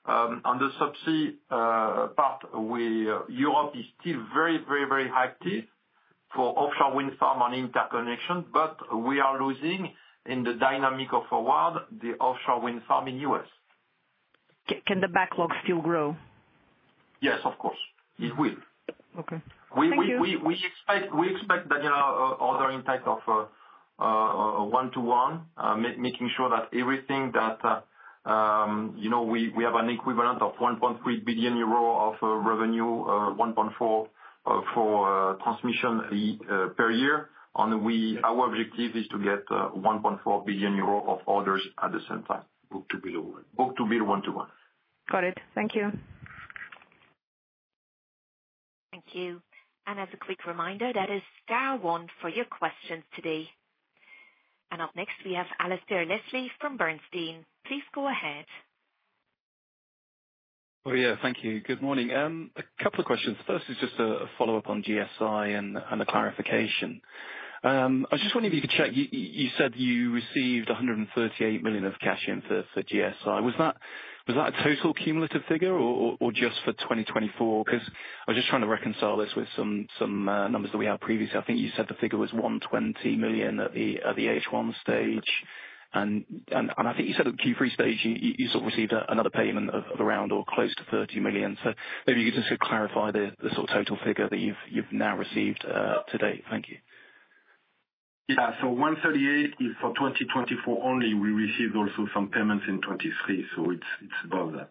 on the subsea part, Europe is still very, very, very active for offshore wind farm on interconnection, but we are losing in the dynamic of award the offshore wind farm in the U.S. Can the backlog still grow? Yes, of course. It will. Okay. Thank you. We expect that ordering type of one-to-one, making sure that everything that we have an equivalent of 1.3 billion euro of revenue, 1.4 billion for transmission per year. And our objective is to get 1.4 billion euro of orders at the same time Book-to-bill one-to-one. Got it. Thank you. Thank you. And as a quick reminder, that is star one for your questions today. And up next, we have Alasdair Leslie from Bernstein. Please go ahead. Oh, yeah. Thank you. Good morning. A couple of questions. First is just a follow-up on GSI and a clarification. I just wanted you to check. You said you received 138 million of cash in for GSI. Was that a total cumulative figure or just for 2024? Because I was just trying to reconcile this with some numbers that we had previously. I think you said the figure was 120 million at the H1 stage. And I think you said at the Q3 stage, you sort of received another payment of around or close to 30 million. So maybe you could just clarify the sort of total figure that you've now received to date. Thank you. Yeah. So 138 million is for 2024 only. We received also some payments in 2023. So it's above that.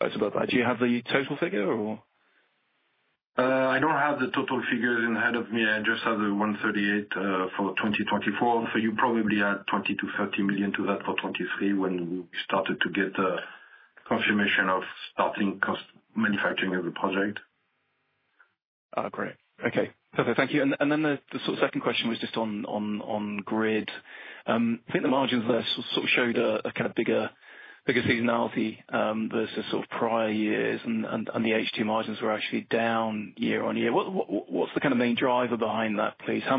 It's above that. Do you have the total figure or? I don't have the total figures in front of me. I just have the 138 million for 2024. So you probably add 20 million-30 million to that for 2023 when we started to get confirmation of starting manufacturing of the project. Great. Okay. Perfect. Thank you. And then the second question was just on Grid. I think the margins there sort of showed a kind of bigger seasonality versus sort of prior years, and the H2 margins were actually down year on year. What's the kind of main driver behind that, please? I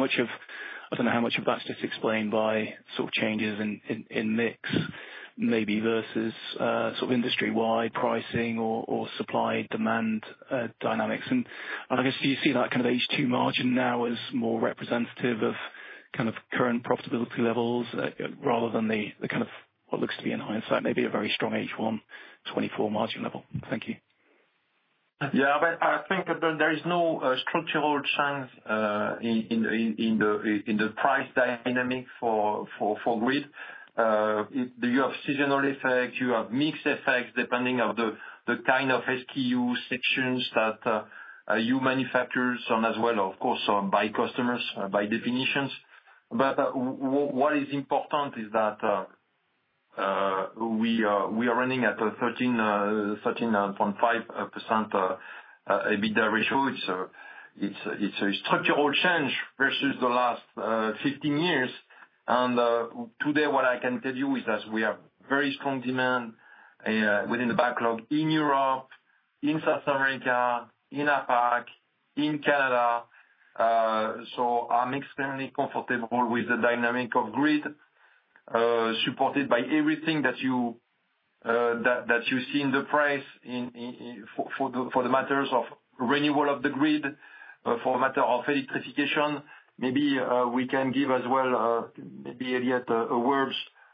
don't know how much of that's just explained by sort of changes in mix maybe versus sort of industry-wide pricing or supply-demand dynamics. I guess do you see that kind of H2 margin now as more representative of kind of current profitability levels rather than the kind of what looks to be an outlier, maybe a very strong H1, 2024 margin level? Thank you. Yeah. I think that there is no structural change in the price dynamic for Grid. You have seasonal effects. You have mix effects depending on the kind of SKU sections that you manufacture as well, of course, by customer, by destination. But what is important is that we are running at a 13.5% EBITDA ratio. It's a structural change versus the last 15 years. Today, what I can tell you is that we have very strong demand within the backlog in Europe, in South America, in APAC, in Canada. So I'm extremely comfortable with the dynamic of Grid supported by everything that you see in the price for the matters of renewal of the Grid, for the matter of electrification. Maybe we can give as well, maybe Elodie, a word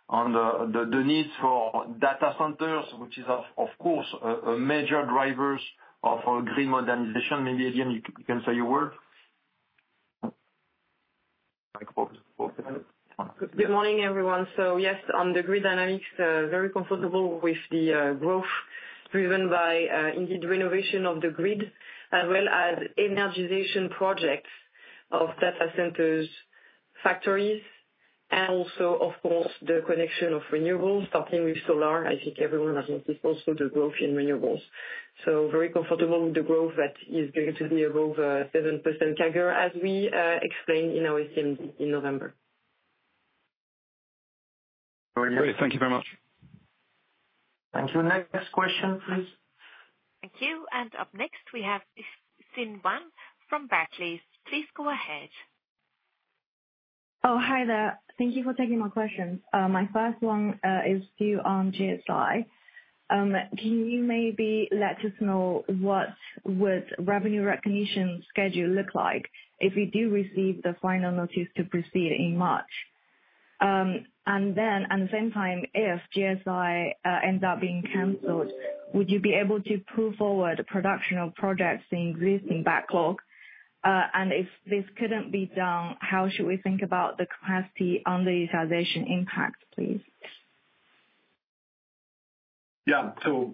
on the needs for data centers, which is, of course, a major driver of Grid modernization. Maybe Elodie, you can say your word. Good morning, everyone. So yes, on the Grid dynamics, very comfortable with the growth driven by indeed renovation of the Grid, as well as energization projects of data centers, factories, and also, of course, the connection of renewables, starting with solar. I think everyone has noticed also the growth in renewables. So very comfortable with the growth that is going to be above 7% CAGR, as we explained in our CMD in November. Great. Thank you very much. Thank you. Next question, please. Thank you. And up next, we have Xin Wang from Barclays. Please go ahead. Oh, hi there. Thank you for taking my question. My first one is to you on GSI. Can you maybe let us know what would revenue recognition schedule look like if we do receive the final notice to proceed in March? And then at the same time, if GSI ends up being canceled, would you be able to pull forward production of projects in existing backlog? And if this couldn't be done, how should we think about the capacity underutilization impact, please? Yeah. So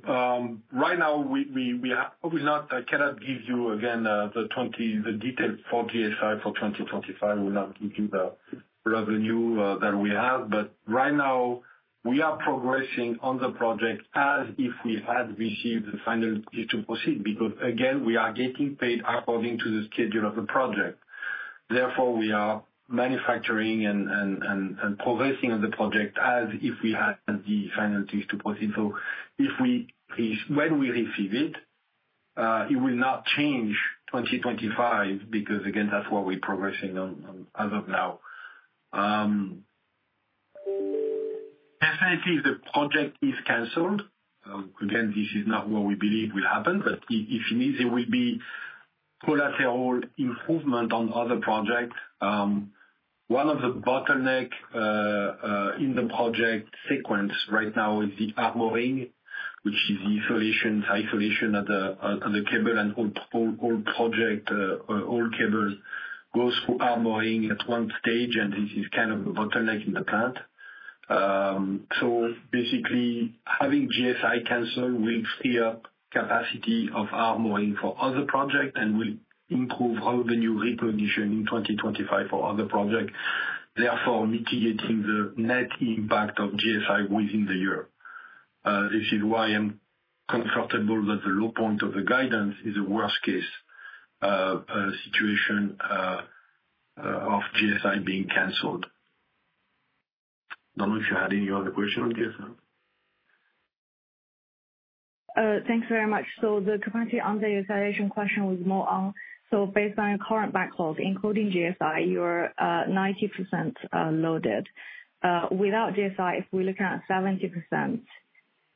right now, we cannot give you, again, the details for GSI for 2025. We will not give you the revenue that we have. But right now, we are progressing on the project as if we had received the final notice to proceed because, again, we are getting paid according to the schedule of the project. Therefore, we are manufacturing and progressing on the project as if we had the final notice to proceed. So when we receive it, it will not change 2025 because, again, that's what we're progressing on as of now. Definitely, the project is canceled. Again, this is not what we believe will happen, but if it is, it will be collateral improvement on other projects. One of the bottlenecks in the project sequence right now is the armoring, which is the isolation of the cable and all cable goes through armoring at one stage, and this is kind of a bottleneck in the plant. So basically, having GSI cancel will free up capacity of armoring for other projects and will improve revenue recognition in 2025 for other projects, therefore mitigating the net impact of GSI within the year. This is why I'm comfortable that the low point of the guidance is a worst-case situation of GSI being canceled. I don't know if you had any other question on GSI. Thanks very much. So the capacity under utilization question was more on, so based on your current backlog, including GSI, you're 90% loaded. Without GSI, if we look at 70%,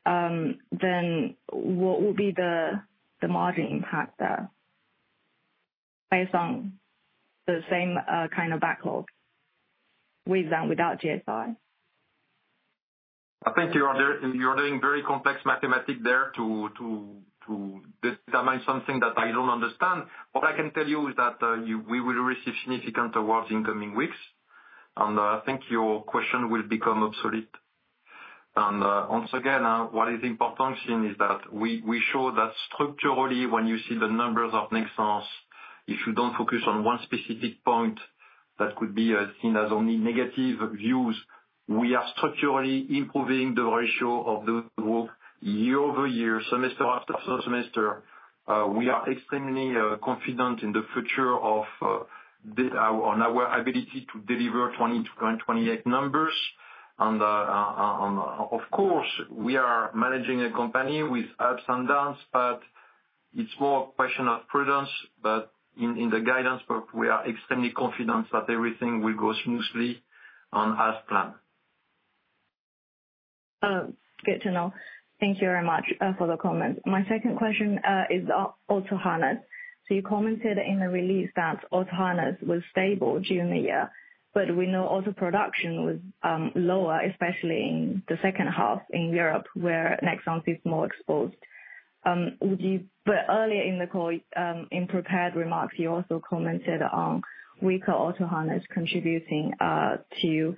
then what would be the margin impact there based on the same kind of backlog with and without GSI? I think you're doing very complex mathematics there to determine something that I don't understand. What I can tell you is that we will receive significant awards in coming weeks, and I think your question will become obsolete. And once again, what is important is that we show that structurally, when you see the numbers of Nexans, if you don't focus on one specific point that could be seen as only negative views, we are structurally improving the ratio of the growth year over year, semester after semester. We are extremely confident in the future on our ability to deliver 2028 numbers. And of course, we are managing a company with ups and downs, but it's more a question of prudence. But in the guidance, we are extremely confident that everything will go smoothly on as planned. Good to know. Thank you very much for the comments. My second question is Auto-harness. You commented in the release that Auto-harness was stable during the year, but we know auto production was lower, especially in the second half in Europe, where Nexans is more exposed. But earlier in the call, in prepared remarks, you also commented on weaker Auto-harness contributing to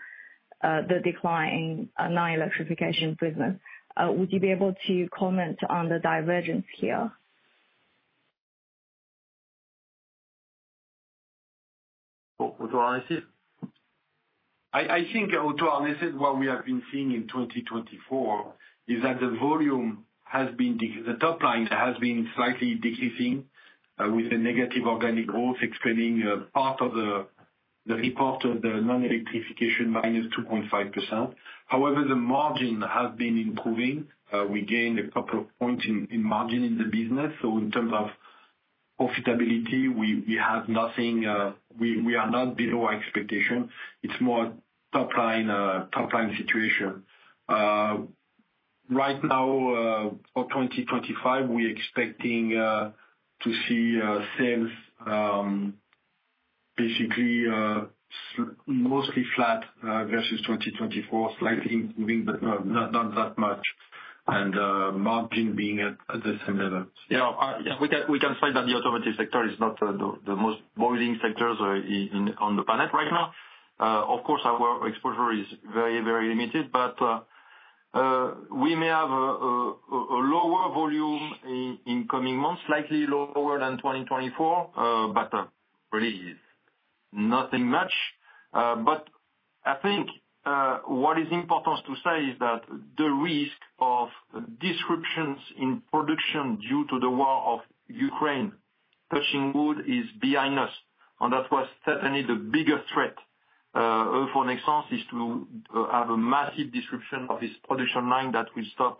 the decline in non-electrification business. Would you be able to comment on the divergence here? Auto-harnesses? I think Auto-harnesses, what we have been seeing in 2024, is that the volume has been decreasing. The top line has been slightly decreasing with a negative organic growth, explaining part of the reported of the non-electrification -2.5%. However, the margin has been improving. We gained a couple of points in margin in the business. So in terms of profitability, we have nothing. We are not below expectation. It's more top-line situation. Right now, for 2025, we are expecting to see sales, basically mostly flat versus 2024, slightly improving, but not that much, and margin being at the same level. Yeah. We can see that the automotive sector is not the most boiling sector on the planet right now. Of course, our exposure is very, very limited, but we may have a lower volume in coming months, slightly lower than 2024, but really nothing much. But I think what is important to say is that the risk of disruptions in production due to the war in Ukraine touching wood is behind us. And that was certainly the biggest threat for Nexans is to have a massive disruption of its production line that will stop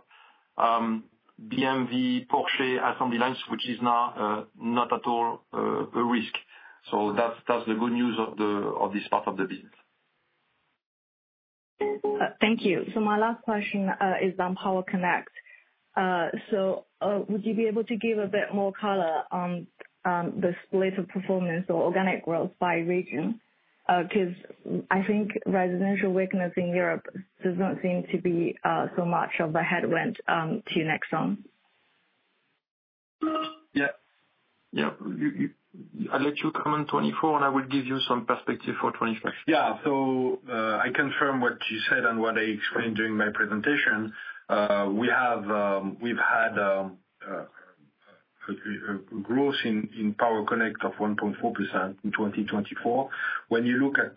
BMW, Porsche assembly lines, which is now not at all a risk. So that's the good news of this part of the business. Thank you. So my last question is on Power Connect. So would you be able to give a bit more color on the split of performance or organic growth by region? Because I think residential weakness in Europe does not seem to be so much of a headwind to Nexans. Yeah. Yeah. I'll let you come in 2024, and I will give you some perspective for 2025. Yeah. So I confirm what you said and what I explained during my presentation. We've had a growth in Power Connect of 1.4% in 2024. When you look at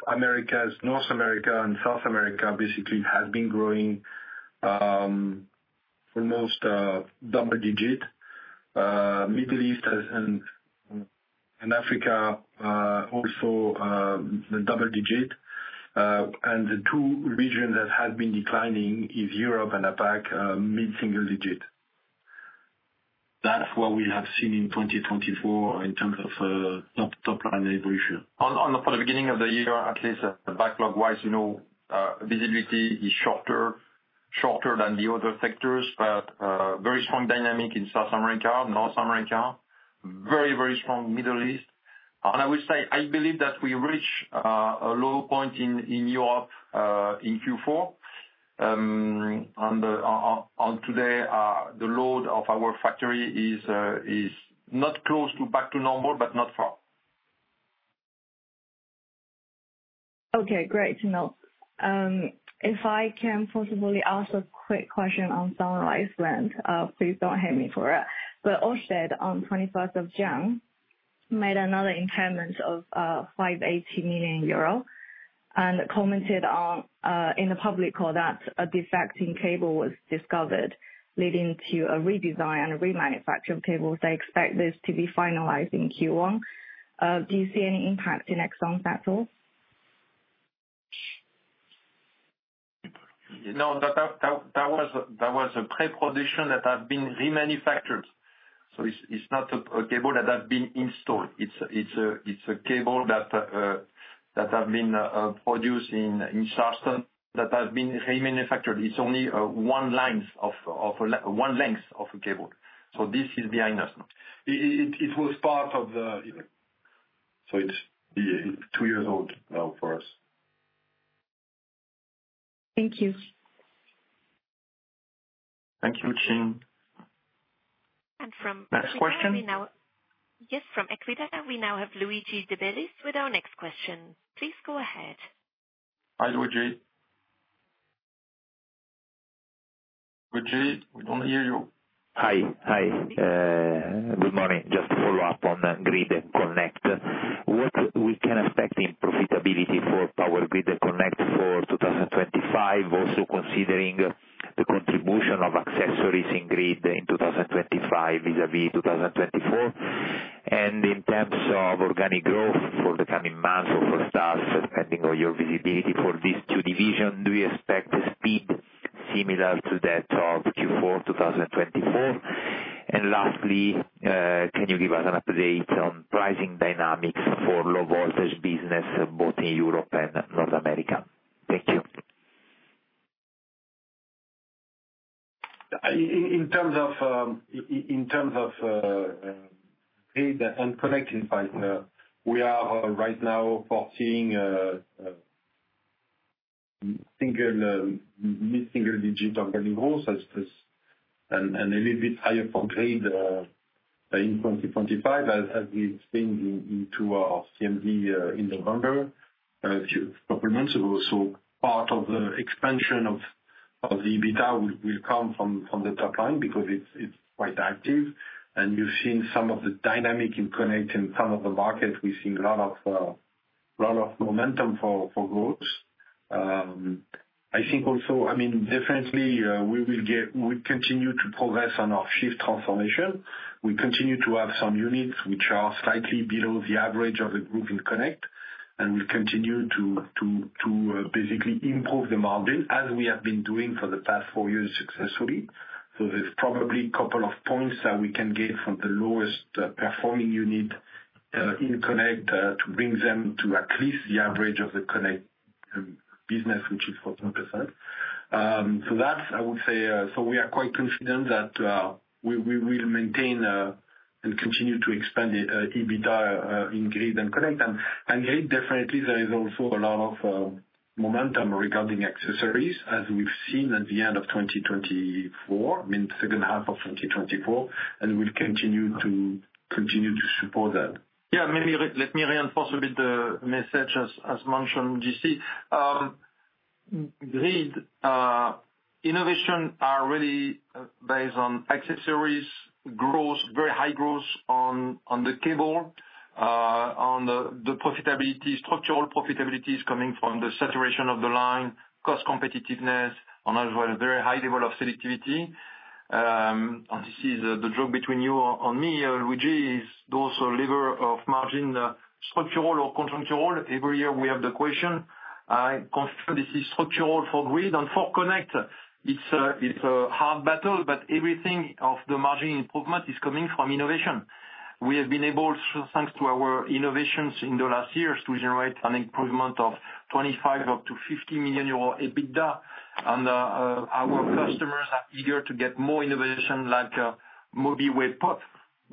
North America and South America, basically it has been growing almost double digit. Middle East and Africa also double digit. And the two regions that have been declining are Europe and Asia-Pac, mid-single digit. That's what we have seen in 2024 in terms of top-line evolution. For the beginning of the year, at least backlog-wise, visibility is shorter than the other sectors, but very strong dynamic in South America, North America, very, very strong Middle East. I would say I believe that we reached a low point in Europe in Q4. Today, the load of our factory is not close to back to normal, but not far. Okay. Great to know. If I can possibly ask a quick question on Sunrise Wind, please don't hate me for it, but Ørsted on 21st June made another impairment of 580 million euro and commented in the public call that a defect in cable was discovered leading to a redesign and a remanufactured cable. They expect this to be finalized in Q1. Do you see any impact in Nexans at all? No, that was a pre-production that has been remanufactured. So it's not a cable that has been installed. It's a cable that has been produced in Charleston that has been remanufactured. It's only one length of a cable. So this is behind us now. It was part of the. So it's two years old now for us. Thank you. Thank you, Xin. And from Equita. Yes, from Equita, we now have Luigi De Bellis with our next question. Please go ahead. Hi, Luigi. Luigi, we don't hear you. Hi. Hi. Good morning. Just to follow up on Grid & Connect. What we can expect in profitability for Power Grid & Connect for 2025, also considering the contribution of accessories in Grid in 2025 vis-à-vis 2024, and in terms of organic growth for the coming months or for Q1, depending on your visibility for these two divisions, do you expect a speed similar to that of Q4 2024? And lastly, can you give us an update on pricing dynamics for low-voltage business both in Europe and North America? Thank you. In terms of Grid & Connect, we are right now foreseeing mid-single digit organic growth and a little bit higher for Grid in 2025, as we've seen into our CMD in November a couple of months ago. So part of the expansion of the EBITDA will come from the top line because it's quite active. And you've seen some of the dynamic in connecting some of the markets. We've seen a lot of momentum for growth. I think also, I mean, definitely, we will continue to progress on our SHIFT transformation. We continue to have some units which are slightly below the average of the group in Connect, and we'll continue to basically improve the margin as we have been doing for the past four years successfully. So there's probably a couple of points that we can get from the lowest performing unit in Connect to bring them to at least the average of the Connect business, which is 14%. So that's, I would say, so we are quite confident that we will maintain and continue to expand EBITDA in Grid & Connect. And Grid, definitely, there is also a lot of momentum regarding accessories as we've seen at the end of 2024, mid-second half of 2024, and we'll continue to support that. Yeah. Let me reinforce a bit the message as mentioned. Grid innovations are really based on accessories growth, very high growth on the cable. The structural profitability is coming from the saturation of the line, cost competitiveness, and also a very high level of selectivity. And this is the joke between you and me, Luigi, is also lever of margin, structural or conjunctural. Every year we have the question. I confirm this is structural for Grid, and for Connect, it's a hard battle, but everything of the margin improvement is coming from innovation. We have been able, thanks to our innovations in the last years, to generate an improvement of 25 million-50 million euro EBITDA. Our customers are eager to get more innovation like MOBIWAY POP,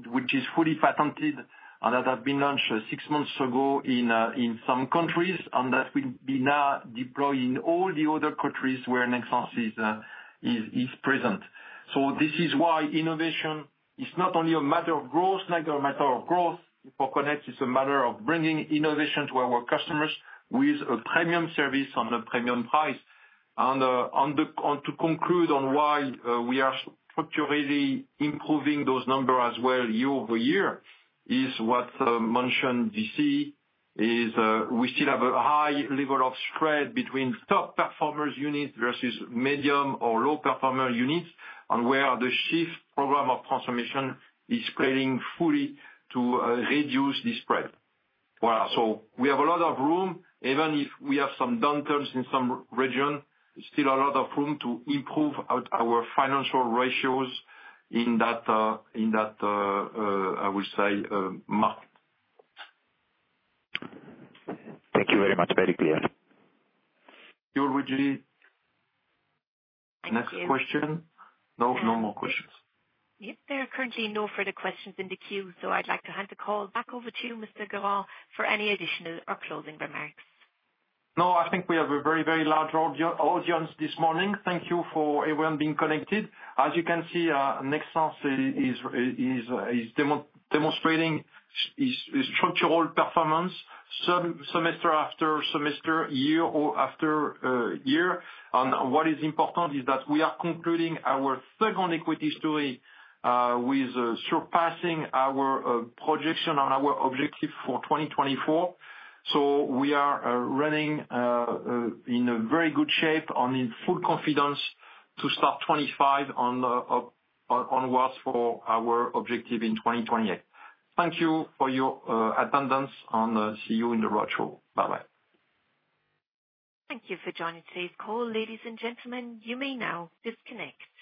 which is fully patented and that has been launched six months ago in some countries, and that will be now deployed in all the other countries where Nexans is present, so this is why innovation is not only a matter of growth, a matter of growth for Connect. It's a matter of bringing innovation to our customers with a premium service on a premium price. And to conclude on why we are structurally improving those numbers as well year-over-year is what mentioned JC is we still have a high level of spread between top performers units versus medium or low performer units, and where the SHIFT program of transformation is playing fully to reduce the spread. So we have a lot of room, even if we have some downturns in some region, still a lot of room to improve our financial ratios in that, I would say, market. Thank you very much. Very clear. Thank you, Luigi. Next question? No, no more questions. Yep. There are currently no further questions in the queue, so I'd like to hand the call back over to you, Mr. Guérin, for any additional or closing remarks. No, I think we have a very, very large audience this morning. Thank you for everyone being connected. As you can see, Nexans is demonstrating structural performance semester after semester, year after year, and what is important is that we are concluding our second equity story with surpassing our projection on our objective for 2024, so we are running in very good shape and in full confidence to start 2025 onwards for our objective in 2028. Thank you for your attendance, and see you in the roadshow. Bye-bye. Thank you for joining today's call. Ladies and gentlemen, you may now disconnect.